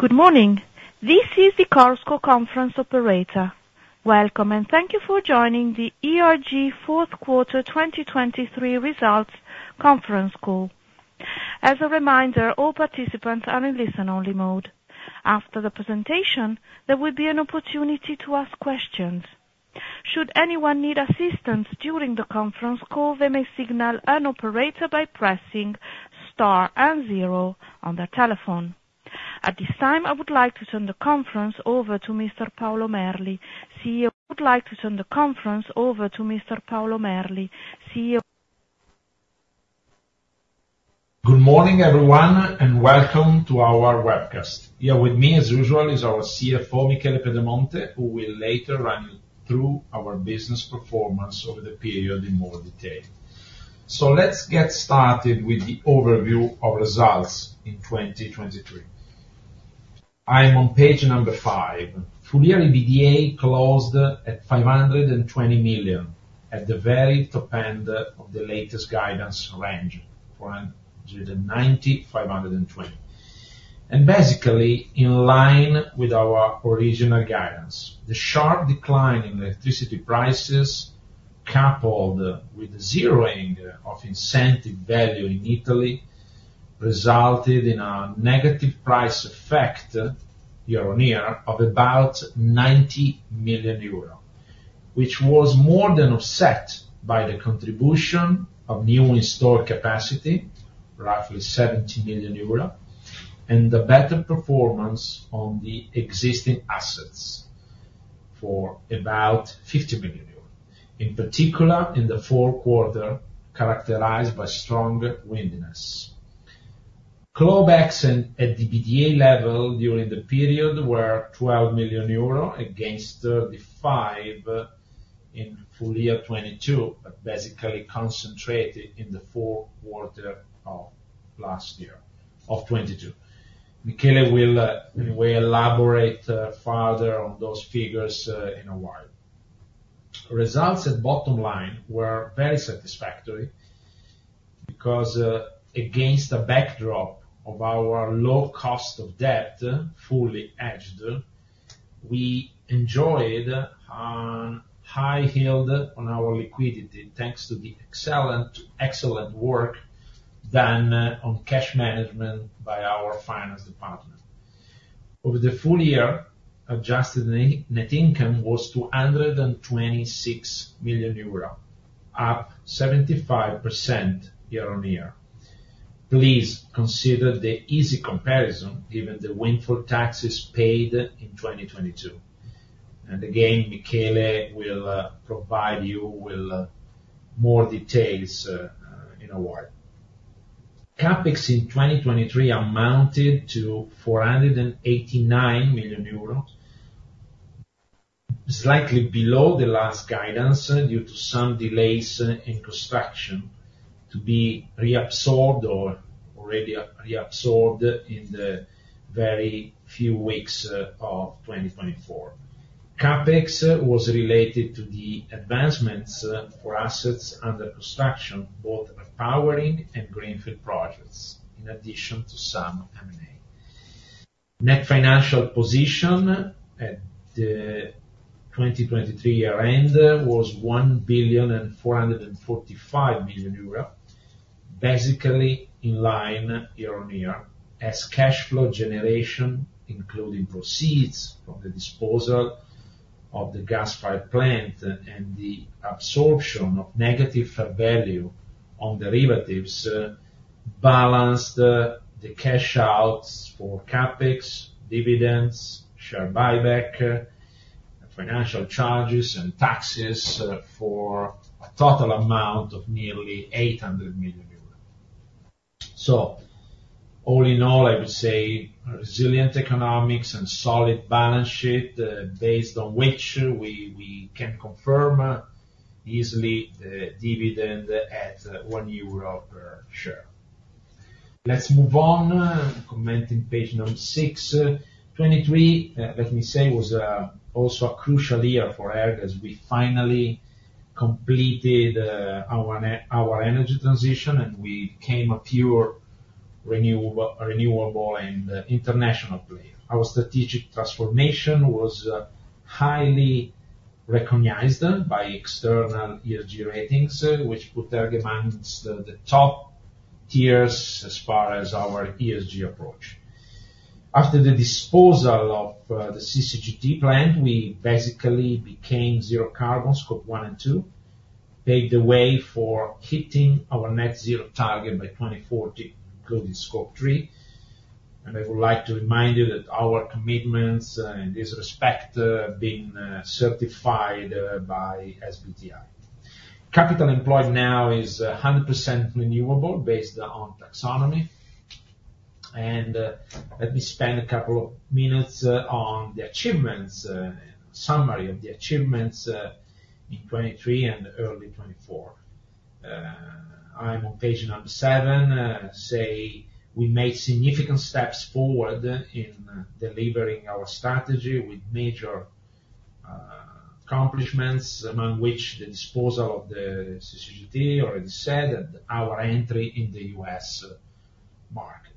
Good morning. This is the Chorus Call conference operator. Welcome, and thank you for joining the ERG fourth quarter 2023 results conference call. As a reminder, all participants are in listen-only mode. After the presentation, there will be an opportunity to ask questions. Should anyone need assistance during the conference call, they may signal an operator by pressing star and zero on their telephone. At this time, I would like to turn the conference over to Mr. Paolo Merli. CEO, I would like to turn the conference over to Mr. Paolo Merli, CEO. Good morning, everyone, and welcome to our webcast. Here with me, as usual, is our CFO, Michele Pedemonte, who will later run you through our business performance over the period in more detail. Let's get started with the overview of results in 2023. I'm on page five. Full-year EBITDA closed at 520 million at the very top end of the latest guidance range of 190-520. And basically, in line with our original guidance, the sharp decline in electricity prices coupled with the zeroing of incentive value in Italy resulted in a negative price effect year-over-year of about 90 million euro, which was more than offset by the contribution of new installed capacity, roughly 70 million euro, and the better performance on the existing assets for about 50 million euros, in particular in the fourth quarter characterized by stronger windiness. Costs at the EBITDA level during the period were 12 million euro against the 5 in full year 2022, but basically concentrated in the fourth quarter of last year, of 2022. Michele will, in a way, elaborate further on those figures in a while. Results at bottom line were very satisfactory because, against a backdrop of our low cost of debt, fully hedged, we enjoyed a high yield on our liquidity thanks to the excellent work done on cash management by our finance department. Over the full year, adjusted net income was 226 million euro, up 75% year-on-year. Please consider the easy comparison given the windfall taxes paid in 2022. Again, Michele will provide you with more details in a while. CapEx in 2023 amounted to 489 million euros, slightly below the last guidance due to some delays in construction to be reabsorbed or already reabsorbed in the very few weeks of 2024. CapEx was related to the advancements for assets under construction, both repowering and greenfield projects, in addition to some M&A. Net financial position at the 2023 year end was 1 billion and 445 million euro, basically in line year on year as cash flow generation, including proceeds from the disposal of the gas pipeline and the absorption of negative fair value on derivatives, balanced the cash outs for CapEx, dividends, share buyback, financial charges, and taxes for a total amount of nearly 800 million euros. So all in all, I would say resilient economics and solid balance sheet based on which we can confirm easily the dividend at 1 euro per share. Let's move on. Commenting page number six. 2023, let me say, was also a crucial year for ERG as we finally completed our energy transition and we became a pure renewable and international player. Our strategic transformation was highly recognized by external ESG ratings, which put ERG amongst the top tiers as far as our ESG approach. After the disposal of the CCGT plant, we basically became zero carbon, Scope 1 and 2, paved the way for hitting our net zero target by 2040, including Scope 3. And I would like to remind you that our commitments in this respect have been certified by SBTi. Capital employed now is 100% renewable based on taxonomy. And let me spend a couple of minutes on the achievements, summary of the achievements in 2023 and early 2024. I'm on page number seven. We made significant steps forward in delivering our strategy with major accomplishments, among which the disposal of the CCGT, already said, and our entry in the US market.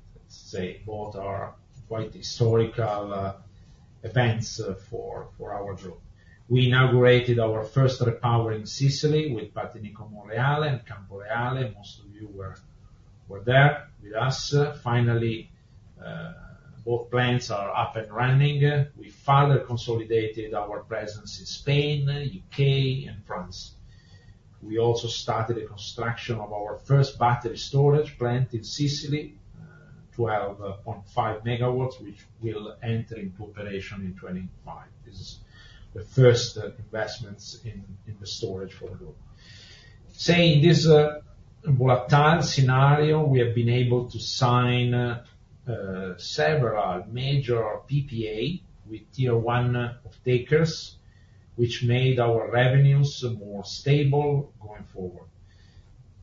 Let's say both are quite historical events for our group. We inaugurated our first repowering in Sicily with Partinico Monreale and Camporeale. Most of you were there with us. Finally, both plants are up and running. We further consolidated our presence in Spain, U.K., and France. We also started the construction of our first battery storage plant in Sicily, 12.5 MW, which will enter into operation in 2025. This is the first investment in the storage for the group. So in this volatile scenario, we have been able to sign several major PPAs with tier one off-takers, which made our revenues more stable going forward.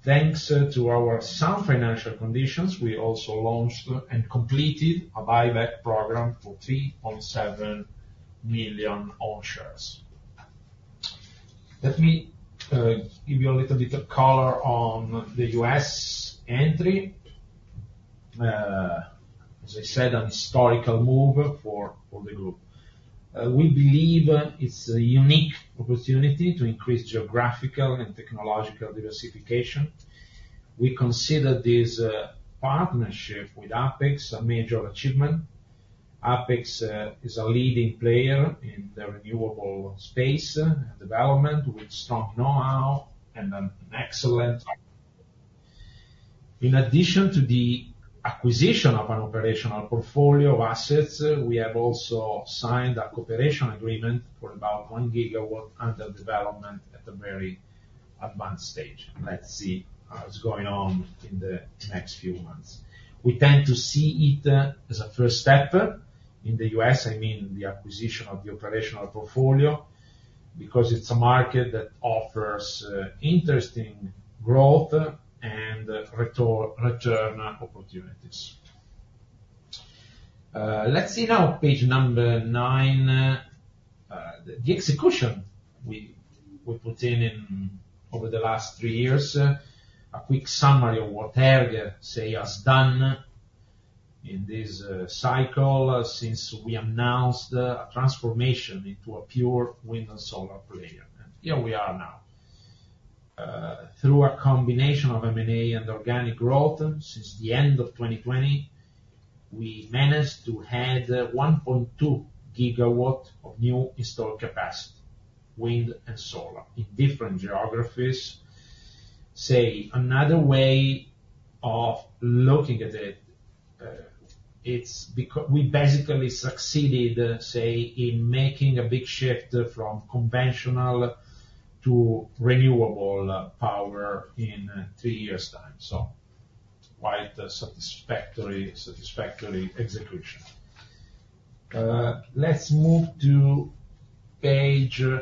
Thanks to our sound financial conditions, we also launched and completed a buyback program for 3.7 million own shares. Let me give you a little bit of color on the U.S. entry. As I said, an historical move for the group. We believe it's a unique opportunity to increase geographical and technological diversification. We consider this partnership with Apex a major achievement. Apex is a leading player in the renewable space and development with strong know-how and an excellent operation. In addition to the acquisition of an operational portfolio of assets, we have also signed a cooperation agreement for about 1 gigawatt under development at a very advanced stage. Let's see what's going on in the next few months. We tend to see it as a first step in the U.S. I mean the acquisition of the operational portfolio because it's a market that offers interesting growth and return opportunities. Let's see now page nine. The execution we put in over the last three years, a quick summary of what ERG, say, has done in this cycle since we announced a transformation into a pure Wind and Solar player. And here we are now. Through a combination of M&A and organic growth since the end of 2020, we managed to add 1.2 GW of new installed capacity, Wind and Solar, in different geographies. Say another way of looking at it, we basically succeeded, say, in making a big shift from conventional to renewable power in three years' time. So quite a satisfactory execution. Let's move to page 10.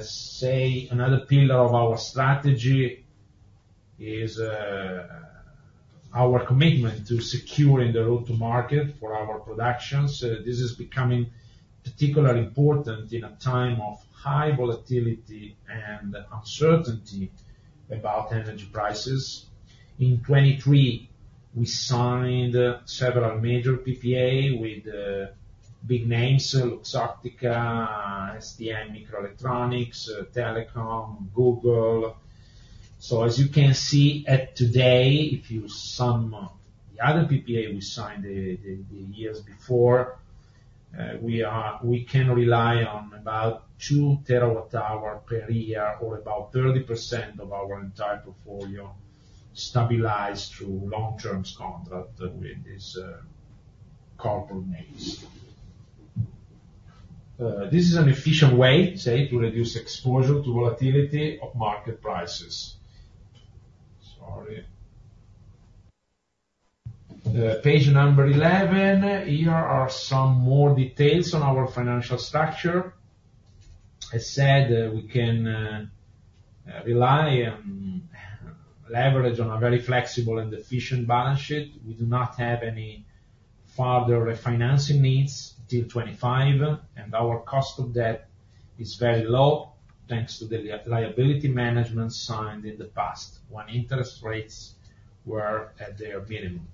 Say another pillar of our strategy is our commitment to securing the road to market for our productions. This is becoming particularly important in a time of high volatility and uncertainty about energy prices. In 2023, we signed several major PPA with big names: Luxottica, STMicroelectronics, Telecom, Google. So as you can see, at today, if you sum the other PPA we signed the years before, we can rely on about two terawatt-hours per year or about 30% of our entire portfolio stabilized through long-term contracts with these corporate names. This is an efficient way, say, to reduce exposure to volatility of market prices. Sorry. Page number 11. Here are some more details on our financial structure. As said, we can rely and leverage on a very flexible and efficient balance sheet. We do not have any further refinancing needs till 2025, and our cost of debt is very low thanks to the liability management signed in the past when interest rates were at their minimum.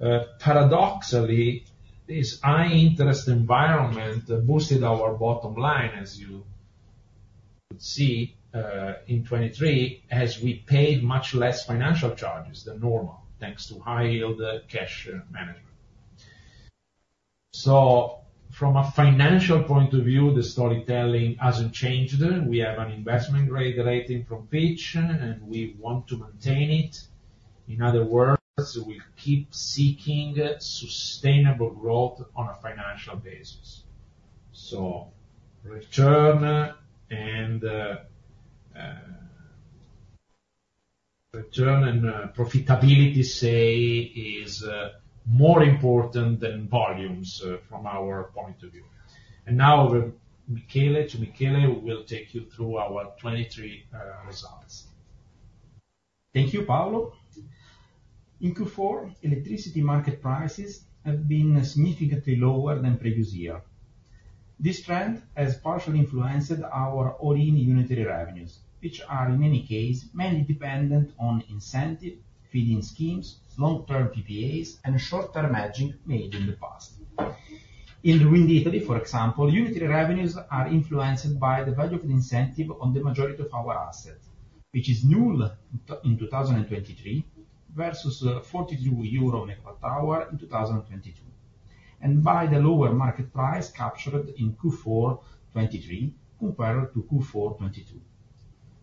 Paradoxically, this high-interest environment boosted our bottom line, as you could see, in 2023, as we paid much less financial charges than normal thanks to high-yield cash management. So from a financial point of view, the storytelling hasn't changed. We have an investment-grade rating from Fitch, and we want to maintain it. In other words, we keep seeking sustainable growth on a financial basis. So return and profitability, say, is more important than volumes from our point of view. And now, Michele to Michele, we'll take you through our 2023 results. Thank you, Paolo. In Q4, electricity market prices have been significantly lower than previous year. This trend has partially influenced our all-in unitary revenues, which are, in any case, mainly dependent on incentive, feed-in schemes, long-term PPAs, and short-term hedging made in the past. In the wind, Italy, for example, unitary revenues are influenced by the value of the incentive on the majority of our assets, which is null in 2023 versus 42 euro megawatt-hour in 2022 and by the lower market price captured in Q4 2023 compared to Q4 2022.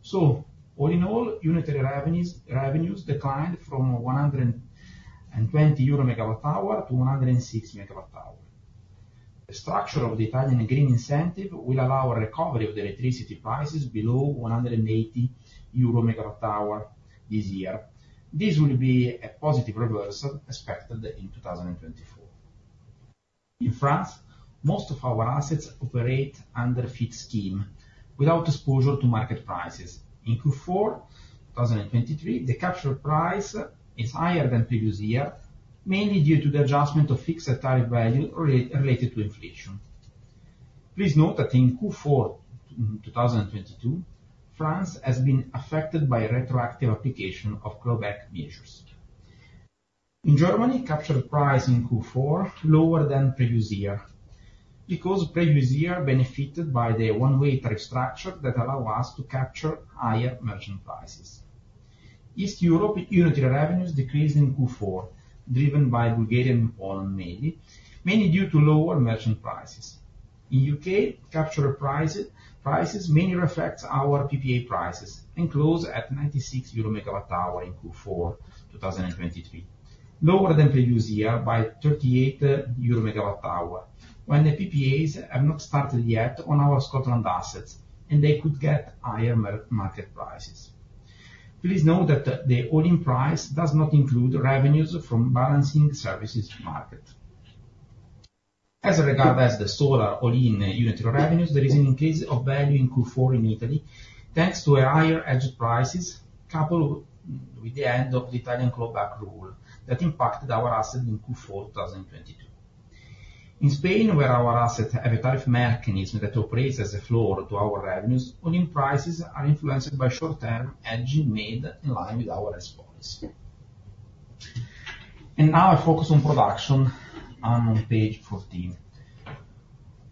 So all in all, unitary revenues declined from 120 euro megawatt-hour to 106 megawatt-hour. The structure of the Italian green incentive will allow a recovery of the electricity prices below 180 euro megawatt-hour this year. This will be a positive reversal expected in 2024. In France, most of our assets operate under feed-in scheme without exposure to market prices. In Q4 2023, the captured price is higher than previous year, mainly due to the adjustment of fixed tariff value related to inflation. Please note that in Q4 2022, France has been affected by retroactive application of clawback measures. In Germany, captured price in Q4 is lower than previous year because previous year benefited by the one-way tariff structure that allowed us to capture higher merchant prices. East Europe unitary revenues decreased in Q4, driven by Bulgaria and Poland, mainly due to lower merchant prices. In UK, captured prices mainly reflect our PPA prices and close at 96 euro MWh in Q4 2023, lower than previous year by 38 euro MWh when the PPAs have not started yet on our Scotland assets, and they could get higher market prices. Please note that the all-in price does not include revenues from balancing services market. As regards to the Solar all-in unitary revenues, there is an increase of value in Q4 in Italy thanks to a higher hedge prices coupled with the end of the Italian clawback rule that impacted our asset in Q4 2022. In Spain, where our assets have a tariff mechanism that operates as a floor to our revenues, all-in prices are influenced by short-term hedging made in line with our results. Now a focus on production. I'm on page 14.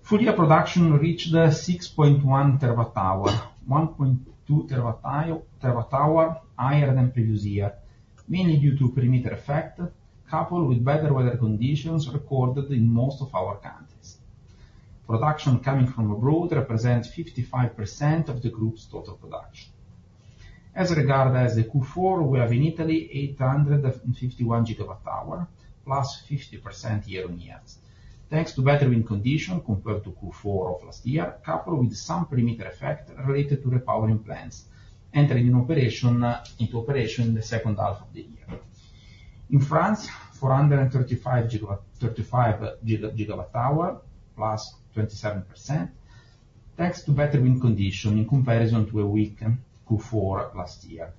Full-year production reached 6.1 TWh, 1.2 TWh higher than previous year, mainly due to perimeter effect coupled with better weather conditions recorded in most of our countries. Production coming from abroad represents 55% of the group's total production. As regards to Q4, we have in Italy 851 GWh plus 50% year-over-year thanks to better wind conditions compared to Q4 of last year coupled with some perimeter effect related to repowering plants entering into operation in the second half of the year. In France, 435 GWh plus 27% thanks to better wind conditions in comparison to a weak Q4 last year.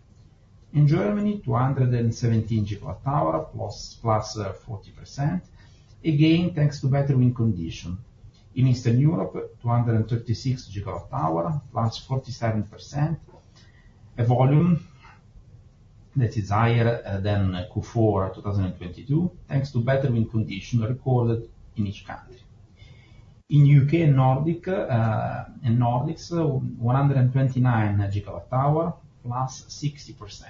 In Germany, 217 GWh plus 40% again thanks to better wind conditions. In Eastern Europe, 236 GWh plus 47%. A volume that is higher than Q4 2022 thanks to better wind conditions recorded in each country. In U.K. and Nordics, 129 GWh plus 60%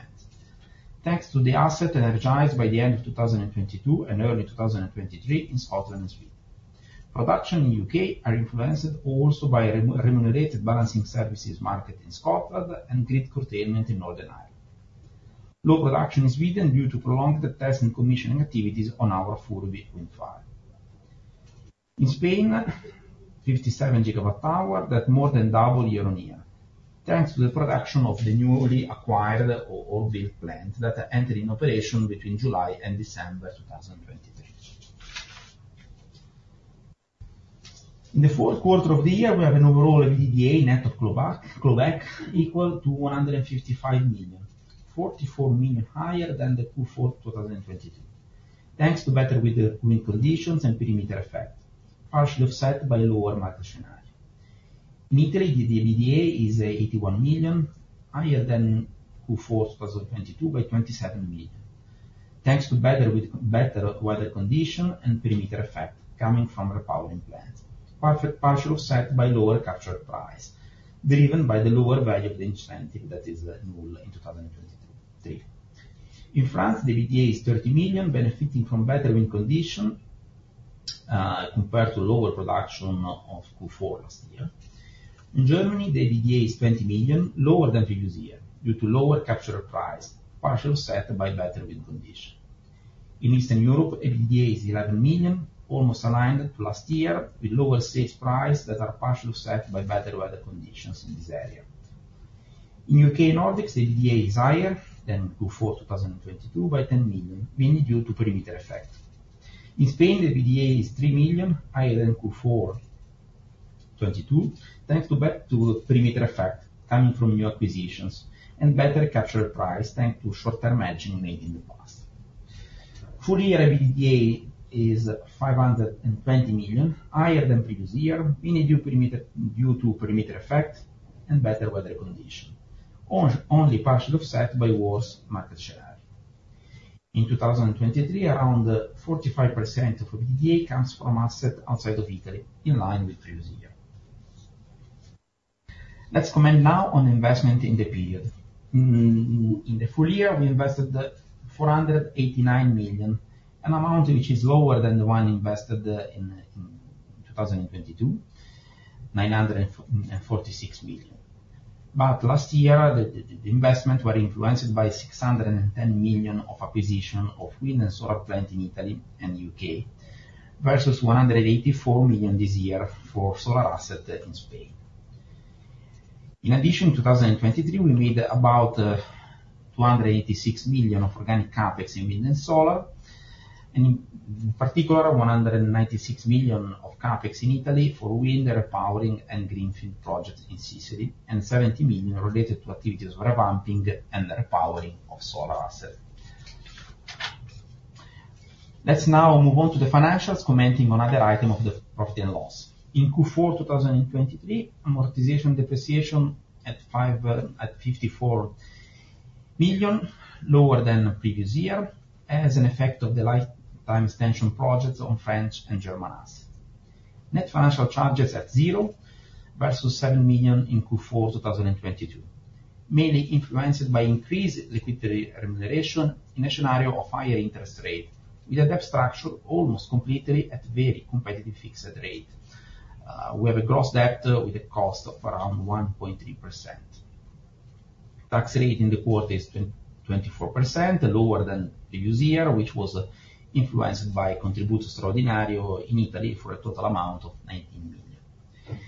thanks to the asset energized by the end of 2022 and early 2023 in Scotland and Sweden. Production in UK is influenced also by remunerated balancing services market in Scotland and grid curtailment in Northern Ireland. Low production in Sweden due to prolonged test and commissioning activities on our Furuby wind farm. In Spain, 57 GWh that more than double year-on-year thanks to the production of the newly acquired or built plant that entered in operation between July and December 2023. In the fourth quarter of the year, we have an overall EBITDA net of clawback equal to 155 million, 44 million higher than the Q4 2022 thanks to better wind conditions and perimeter effect, partially offset by lower market scenario. In Italy, the EBITDA is 81 million, higher than Q4 2022 by 27 million thanks to better weather condition and perimeter effect coming from repowering plants, partially offset by lower captured price driven by the lower value of the incentive that is null in 2023. In France, the EBITDA is 30 million benefiting from better wind condition compared to lower production of Q4 last year. In Germany, the EBITDA is 20 million, lower than previous year due to lower captured price, partially offset by better wind condition. In Eastern Europe, the EBITDA is 11 million, almost aligned to last year with lower sales price that are partially offset by better weather conditions in this area. In UK and Nordics, the EBITDA is higher than Q4 2022 by 10 million, mainly due to perimeter effect. In Spain, the EBITDA is 3 million, higher than Q4 2022 thanks to perimeter effect coming from new acquisitions and better captured price thanks to short-term hedging made in the past. Full-year EBITDA is 520 million, higher than previous year mainly due to perimeter effect and better weather condition, only partially offset by worse market scenario. In 2023, around 45% of EBITDA comes from assets outside of Italy in line with previous year. Let's comment now on investment in the period. In the full year, we invested 489 million, an amount which is lower than the one invested in 2022, 946 million. Last year, the investments were influenced by 610 million of acquisition of wind and solar plants in Italy and U.K. versus 184 million this year for Solar assets in Spain. In addition, in 2023, we made about 286 million of organic CapEx in Wind and Solar, and in particular, 196 million of CapEx in Italy for wind, repowering, and greenfield projects in Sicily, and 70 million related to activities of revamping and repowering of solar assets. Let's now move on to the financials commenting on other items of the profit and loss. In Q4 2023, amortization depreciation at 54 million, lower than previous year as an effect of the lifetime extension projects on French and German assets. Net financial charges at zero versus 7 million in Q4 2022, mainly influenced by increased liquidity remuneration in a scenario of higher interest rate with a debt structure almost completely at very competitive fixed rate. We have a gross debt with a cost of around 1.3%. Tax rate in the quarter is 24%, lower than previous year, which was influenced by contributo straordinario in Italy for a total amount of 19 million.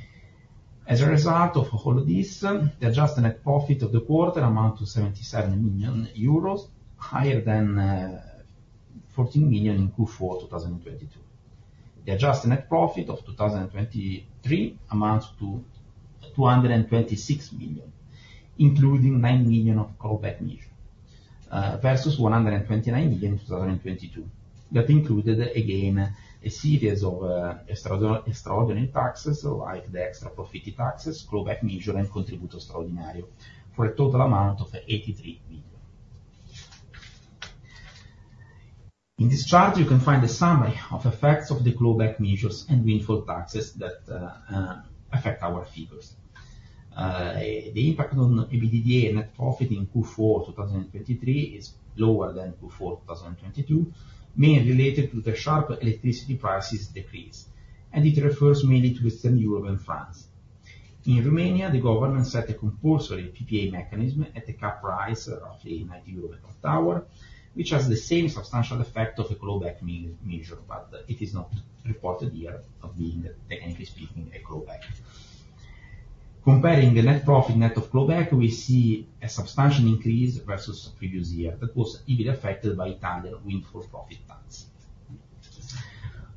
As a result of all of this, the adjusted net profit of the quarter amounts to 77 million euros, higher than 14 million in Q4 2022. The adjusted net profit of 2023 amounts to 226 million, including 9 million of clawback measure versus 129 million in 2022 that included, again, a series of extraordinary taxes like the extra profit taxes, clawback measure, and contributo straordinario for a total amount of 83 million. In this chart, you can find a summary of effects of the clawback measures and windfall taxes that affect our figures. The impact on EBITDA net profit in Q4 2023 is lower than Q4 2022, mainly related to the sharp electricity prices decrease, and it refers mainly to Eastern Europe and France. In Romania, the government set a compulsory PPA mechanism at the cap price of 90 euro/MWh, which has the same substantial effect of a clawback measure, but it is not reported here of being, technically speaking, a clawback. Comparing net profit net of clawback, we see a substantial increase versus previous year that was heavily affected by Italian windfall profit tax.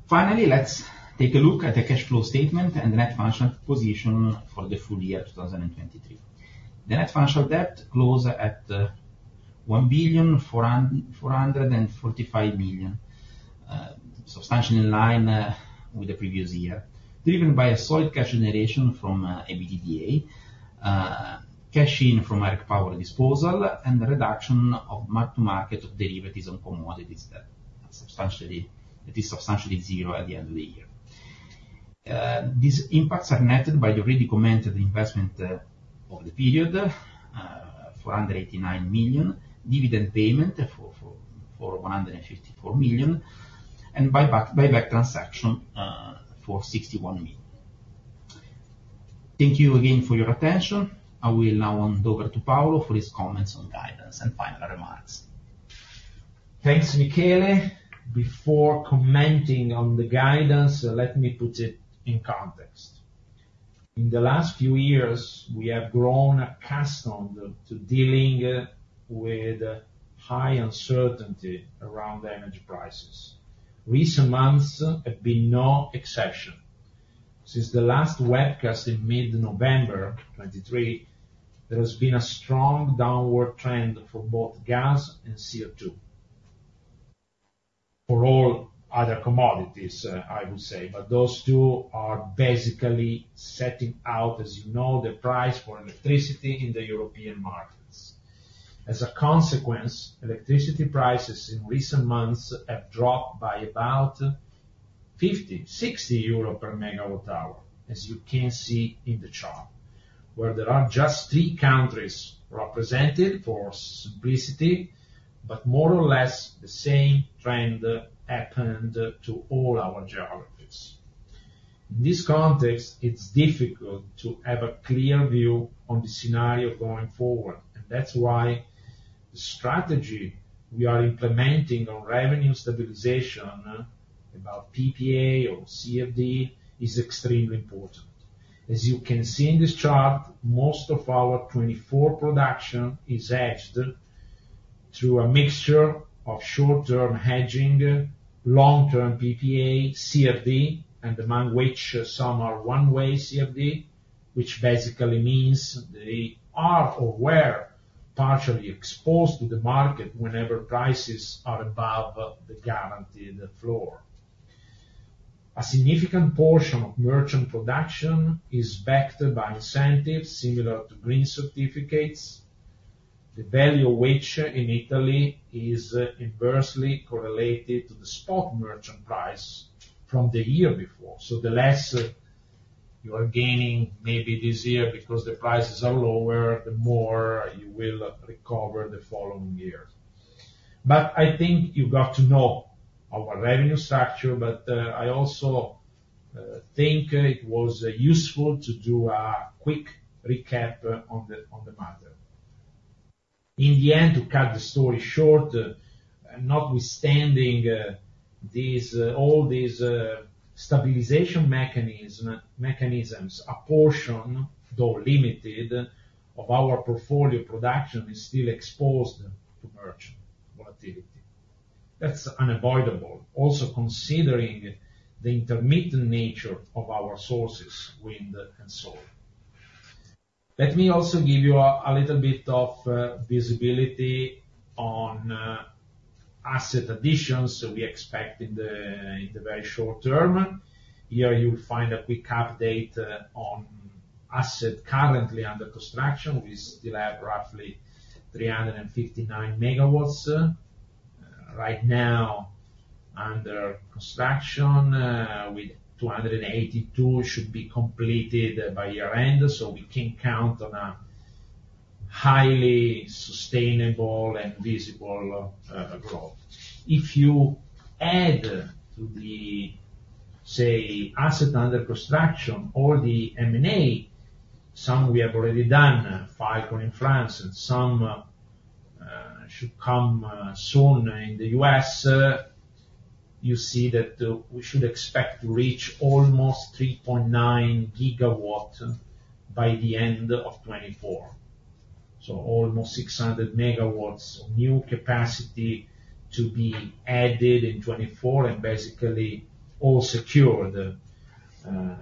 Finally, let's take a look at the cash flow statement and the net financial position for the full year 2023. The net financial debt closed at 1,445 million, substantially in line with the previous year, driven by a solid cash generation from EBITDA, cash in from ERG Power disposal, and the reduction of market-to-market derivatives on commodities that are substantially zero at the end of the year. These impacts are netted by the already commented investment of the period, 489 million, dividend payment for 154 million, and buyback transaction for 61 million. Thank you again for your attention. I will now hand over to Paolo for his comments on guidance and final remarks. Thanks, Michele. Before commenting on the guidance, let me put it in context. In the last few years, we have grown accustomed to dealing with high uncertainty around energy prices. Recent months have been no exception. Since the last webcast in mid-November 2023, there has been a strong downward trend for both gas and CO2 for all other commodities, I would say, but those two are basically setting out, as you know, the price for electricity in the European markets. As a consequence, electricity prices in recent months have dropped by about 50-60 euro per MWh, as you can see in the chart, where there are just three countries represented for simplicity, but more or less the same trend happened to all our geographies. In this context, it's difficult to have a clear view on the scenario going forward, and that's why the strategy we are implementing on revenue stabilization about PPA or CFD is extremely important. As you can see in this chart, most of our 2024 production is hedged through a mixture of short-term hedging, long-term PPA, CFD, and among which some are one-way CFD, which basically means they are aware, partially exposed to the market whenever prices are above the guaranteed floor. A significant portion of merchant production is backed by incentives similar to green certificates, the value of which in Italy is inversely correlated to the spot merchant price from the year before. So the less you are gaining maybe this year because the prices are lower, the more you will recover the following year. But I think you got to know our revenue structure, but I also think it was useful to do a quick recap on the matter. In the end, to cut the story short, notwithstanding all these stabilization mechanisms, a portion, though limited, of our portfolio production is still exposed to merchant volatility. That's unavoidable, also considering the intermittent nature of our sources, wind and solar. Let me also give you a little bit of visibility on asset additions we expect in the very short term. Here, you'll find a quick update on assets currently under construction. We still have roughly 359 MW right now under construction with 282 should be completed by year-end, so we can count on a highly sustainable and visible growth. If you add to the, say, assets under construction or the M&A, some we have already done, Falcon in France, and some should come soon in the U.S., you see that we should expect to reach almost 3.9 GW by the end of 2024. So almost 600 MW of new capacity to be added in 2024 and basically all secured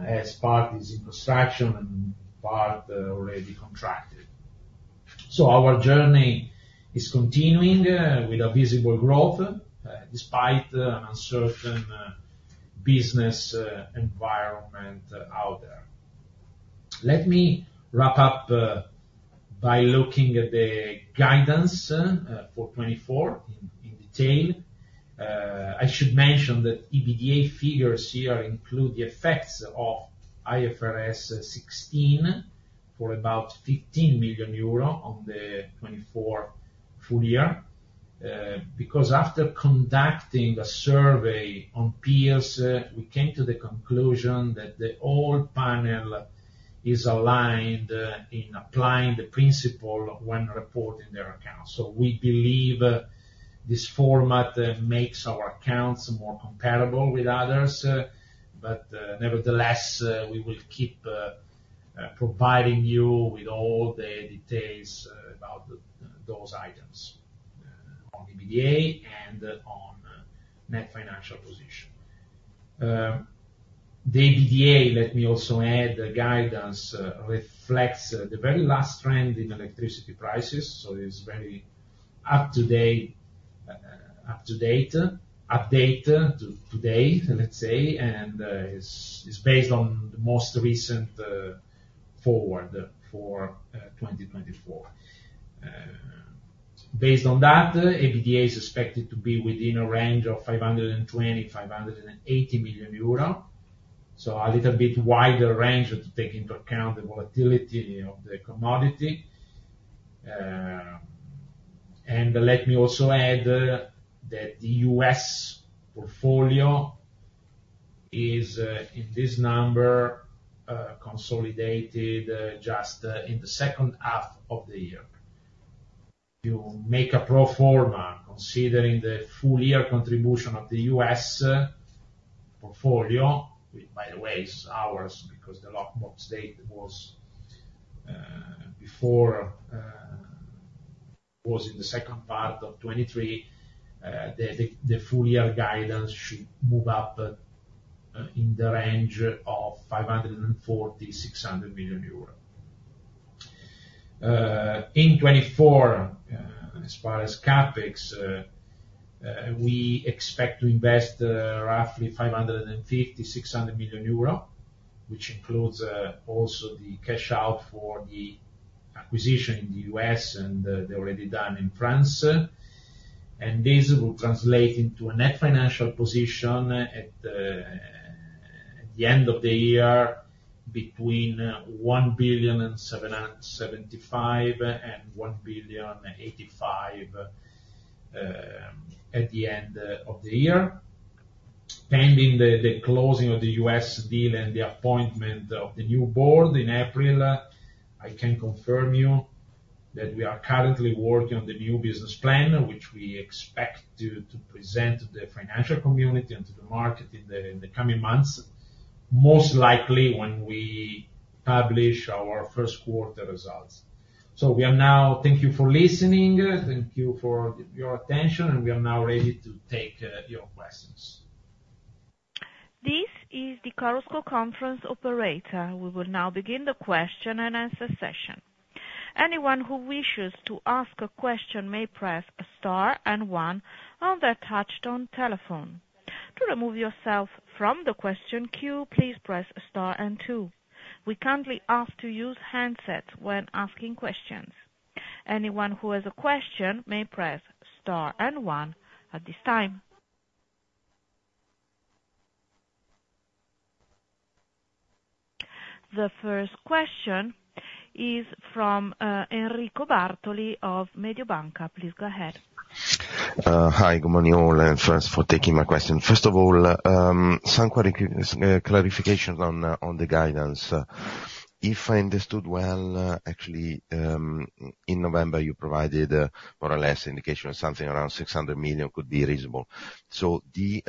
as part is in construction and part already contracted. So our journey is continuing with a visible growth despite an uncertain business environment out there. Let me wrap up by looking at the guidance for 2024 in detail. I should mention that EBITDA figures here include the effects of IFRS 16 for about 15 million euro on the 2024 full year because after conducting a survey on peers, we came to the conclusion that the whole panel is aligned in applying the principle when reporting their accounts. So we believe this format makes our accounts more comparable with others, but nevertheless, we will keep providing you with all the details about those items on EBITDA and on net financial position. The EBITDA, let me also add, guidance reflects the very last trend in electricity prices, so it's very up-to-date, update to today, let's say, and is based on the most recent forward for 2024. Based on that, EBITDA is expected to be within a range of 520 million-580 million euro, so a little bit wider range to take into account the volatility of the commodity. And let me also add that the US portfolio is, in this number, consolidated just in the second half of the year. You make a pro forma considering the full year contribution of the U.S. portfolio, which, by the way, is ours because the Lockbox date was in the second part of 2023. The full year guidance should move up in the range of 540 million-600 million euro. In 2024, as far as CapEx, we expect to invest roughly 550-600 million euro, which includes also the cash out for the acquisition in the U.S. and the already done in France. This will translate into a net financial position at the end of the year between 1.775 billion and 1.085 billion at the end of the year. Pending the closing of the U.S. deal and the appointment of the new board in April, I can confirm you that we are currently working on the new business plan, which we expect to present to the financial community and to the market in the coming months, most likely when we publish our first quarter results. So, we are now. Thank you for listening. Thank you for your attention, and we are now ready to take your questions. This is the Chorus Call Conference Operator. We will now begin the question and answer session. Anyone who wishes to ask a question may press star and one on their touch-tone telephone. To remove yourself from the question queue, please press star and two. We kindly ask to use handsets when asking questions. Anyone who has a question may press star and one at this time. The first question is from Enrico Bartoli of Mediobanca. Please go ahead. Hi. Good morning all and thanks for taking my question. First of all, some clarifications on the guidance. If I understood well, actually, in November, you provided more or less indication of something around 600 million could be reasonable. So the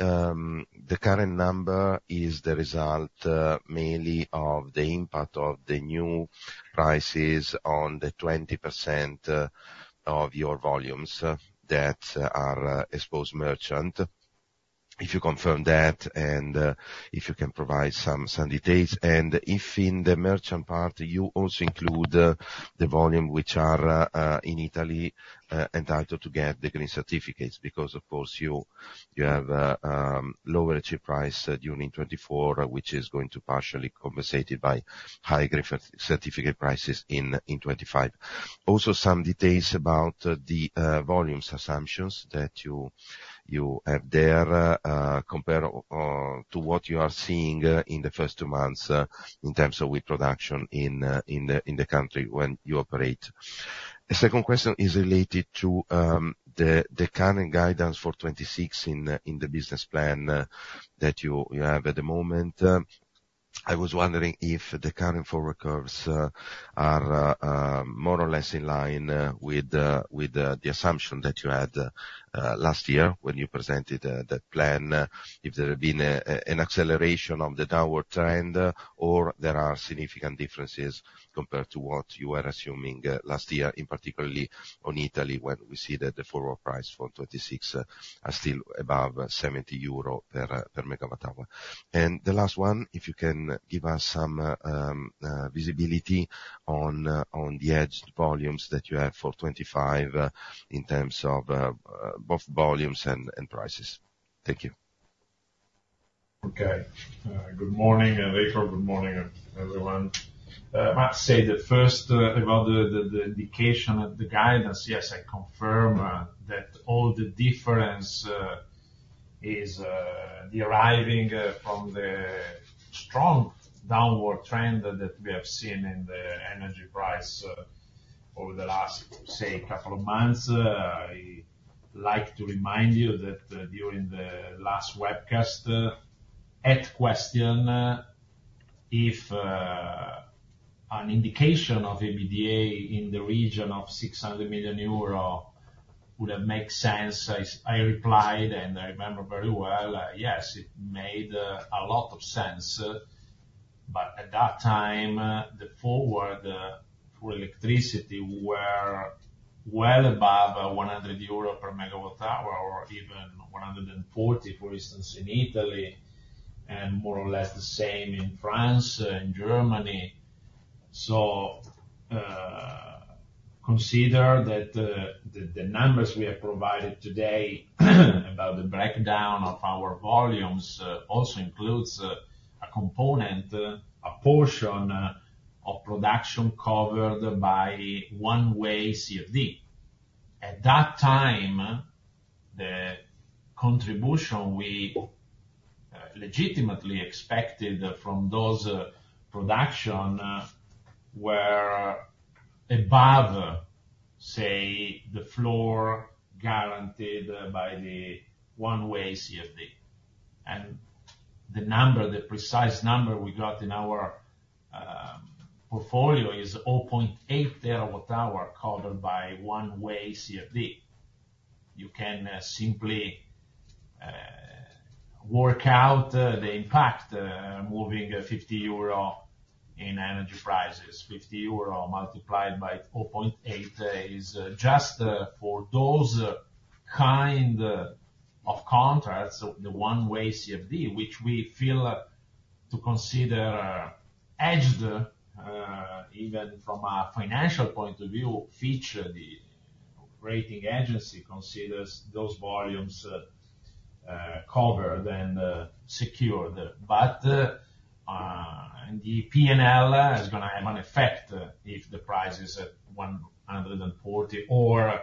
current number is the result mainly of the impact of the new prices on the 20% of your volumes that are exposed merchant. If you confirm that and if you can provide some details. If in the merchant part you also include the volume which are in Italy entitled to get the green certificates because, of course, you have lower wholesale price during 2024, which is going to be partially compensated by higher certificate prices in 2025. Also, some details about the volume assumptions that you have there compared to what you are seeing in the first two months in terms of wind production in the country when you operate. The second question is related to the current guidance for 2026 in the business plan that you have at the moment. I was wondering if the current forward curves are more or less in line with the assumption that you had last year when you presented that plan, if there had been an acceleration of the downward trend or there are significant differences compared to what you were assuming last year, in particular on Italy when we see that the forward price for 2026 is still above 70 euro per MWh. The last one, if you can give us some visibility on the hedged volumes that you have for 2025 in terms of both volumes and prices? Thank you. Okay. Good morning, Enrico. Good morning, everyone. I must say that first, about the indication of the guidance, yes, I confirm that all the difference is deriving from the strong downward trend that we have seen in the energy price over the last, say, couple of months. I'd like to remind you that during the last webcast, at question, if an indication of EBITDA in the region of 600 million euro would have made sense, I replied, and I remember very well, yes, it made a lot of sense. But at that time, the forward for electricity were well above 100 EUR/MWh or even 140 EUR/MWh, for instance, in Italy and more or less the same in France and Germany. So consider that the numbers we have provided today about the breakdown of our volumes also includes a component, a portion of production covered by one-way CFD. At that time, the contribution we legitimately expected from those production were above, say, the floor guaranteed by the one-way CFD. The precise number we got in our portfolio is 0.8 TWh covered by one-way CFD. You can simply work out the impact moving 50 euro in energy prices. 50 euro multiplied by 0.8 is just for those kind of contracts, the one-way CFD, which we feel to consider hedged, even from a financial point of view, feature the operating agency considers those volumes covered and secured. And the P&L is going to have an effect if the price is at 140 or,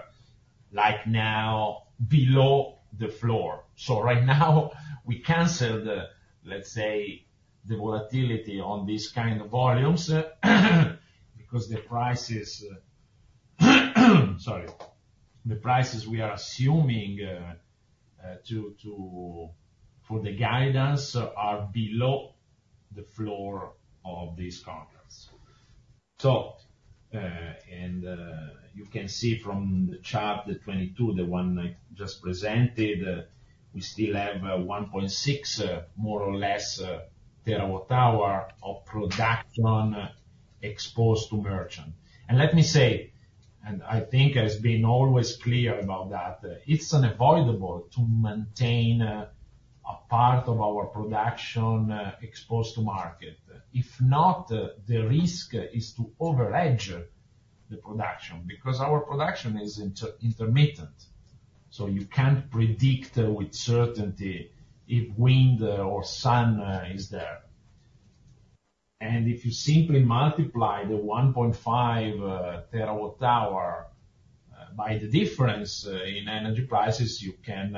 like now, below the floor. Right now, we canceled, let's say, the volatility on these kind of volumes because the prices sorry, the prices we are assuming for the guidance are below the floor of these contracts. You can see from the chart, the 2022, the one I just presented, we still have 1.6 more or less terawatt-hour of production exposed to merchant. And let me say, and I think I've been always clear about that, it's unavoidable to maintain a part of our production exposed to market. If not, the risk is to overhedge the production because our production is intermittent. So you can't predict with certainty if wind or sun is there. And if you simply multiply the 1.5 terawatt-hour by the difference in energy prices, you can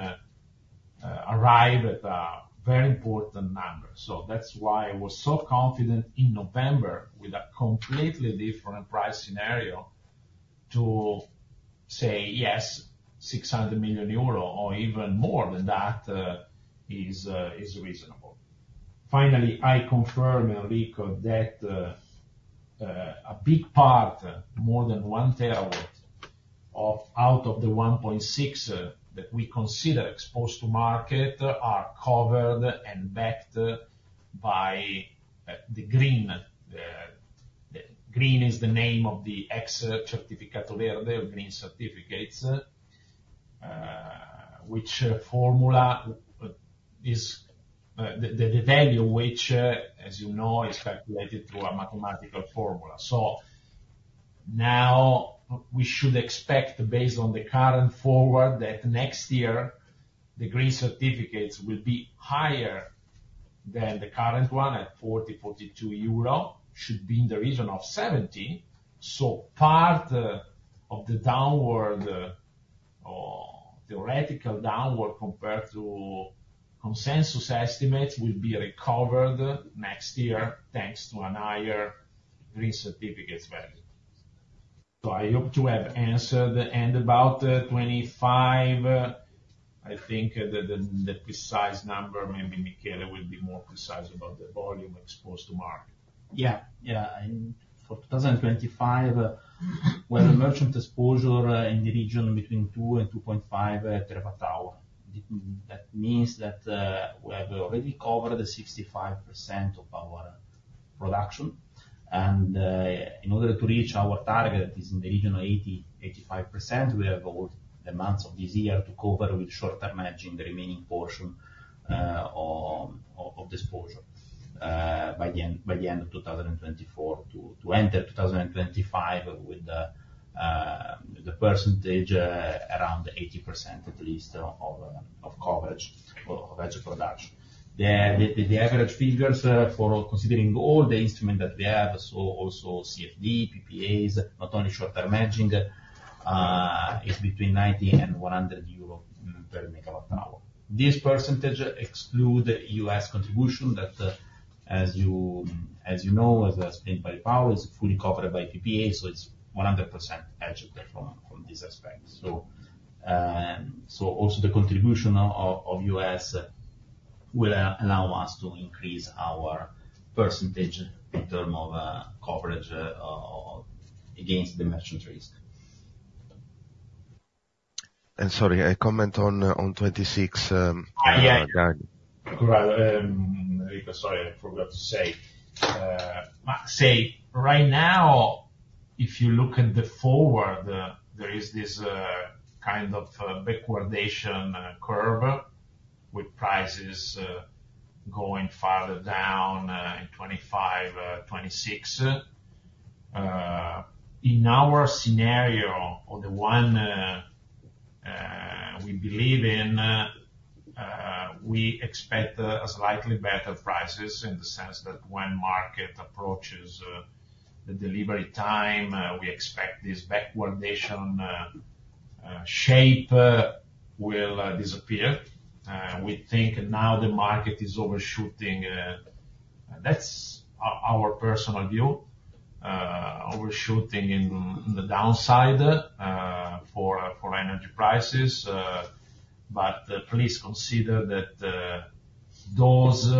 arrive at a very important number. So that's why I was so confident in November with a completely different price scenario to say, yes, 600 million euro or even more than that is reasonable. Finally, I confirm, Enrico, that a big part, more than 1 terawatt, out of the 1.6 that we consider exposed to market are covered and backed by the GRIN. GRIN is the name of the Certificati Verdi, green certificates, which formula is the value which, as you know, is calculated through a mathematical formula. So now, we should expect, based on the current forward, that next year, the green certificates will be higher than the current one at 40 euro - 42 euro should be in the region of 70. So part of the theoretical downward compared to consensus estimates will be recovered next year thanks to a higher green certificates value. So I hope to have answered. About 2025, I think the precise number, maybe Michele will be more precise about the volume exposed to market. Yeah. Yeah. For 2025, we have a merchant exposure in the region between 2-2.5 TWh. That means that we have already covered 65% of our production. In order to reach our target that is in the region of 80%-85%, we have all the months of this year to cover with short-term hedging the remaining portion of the exposure by the end of 2024 to enter 2025 with the percentage around 80% at least of coverage or hedge production. The average figures for considering all the instruments that we have, so also CFD, PPAs, not only short-term hedging, is between 90-100 euro/MWh. This percentage excludes U.S. contribution that, as you know, as I explained by Paul, is fully covered by PPA, so it's 100% hedged from this aspect. Also, the contribution of the U.S. will allow us to increase our percentage in terms of coverage against the merchant risk. Sorry, I comment on 2026. Yeah. Yeah. Go ahead. Enrico, sorry, I forgot to say. Right now, if you look at the forward, there is this kind of backwardation curve with prices going farther down in 2025, 2026. In our scenario or the one we believe in, we expect slightly better prices in the sense that when market approaches the delivery time, we expect this backwardation shape will disappear. We think now the market is overshooting. That's our personal view, overshooting in the downside for energy prices. But please consider that those,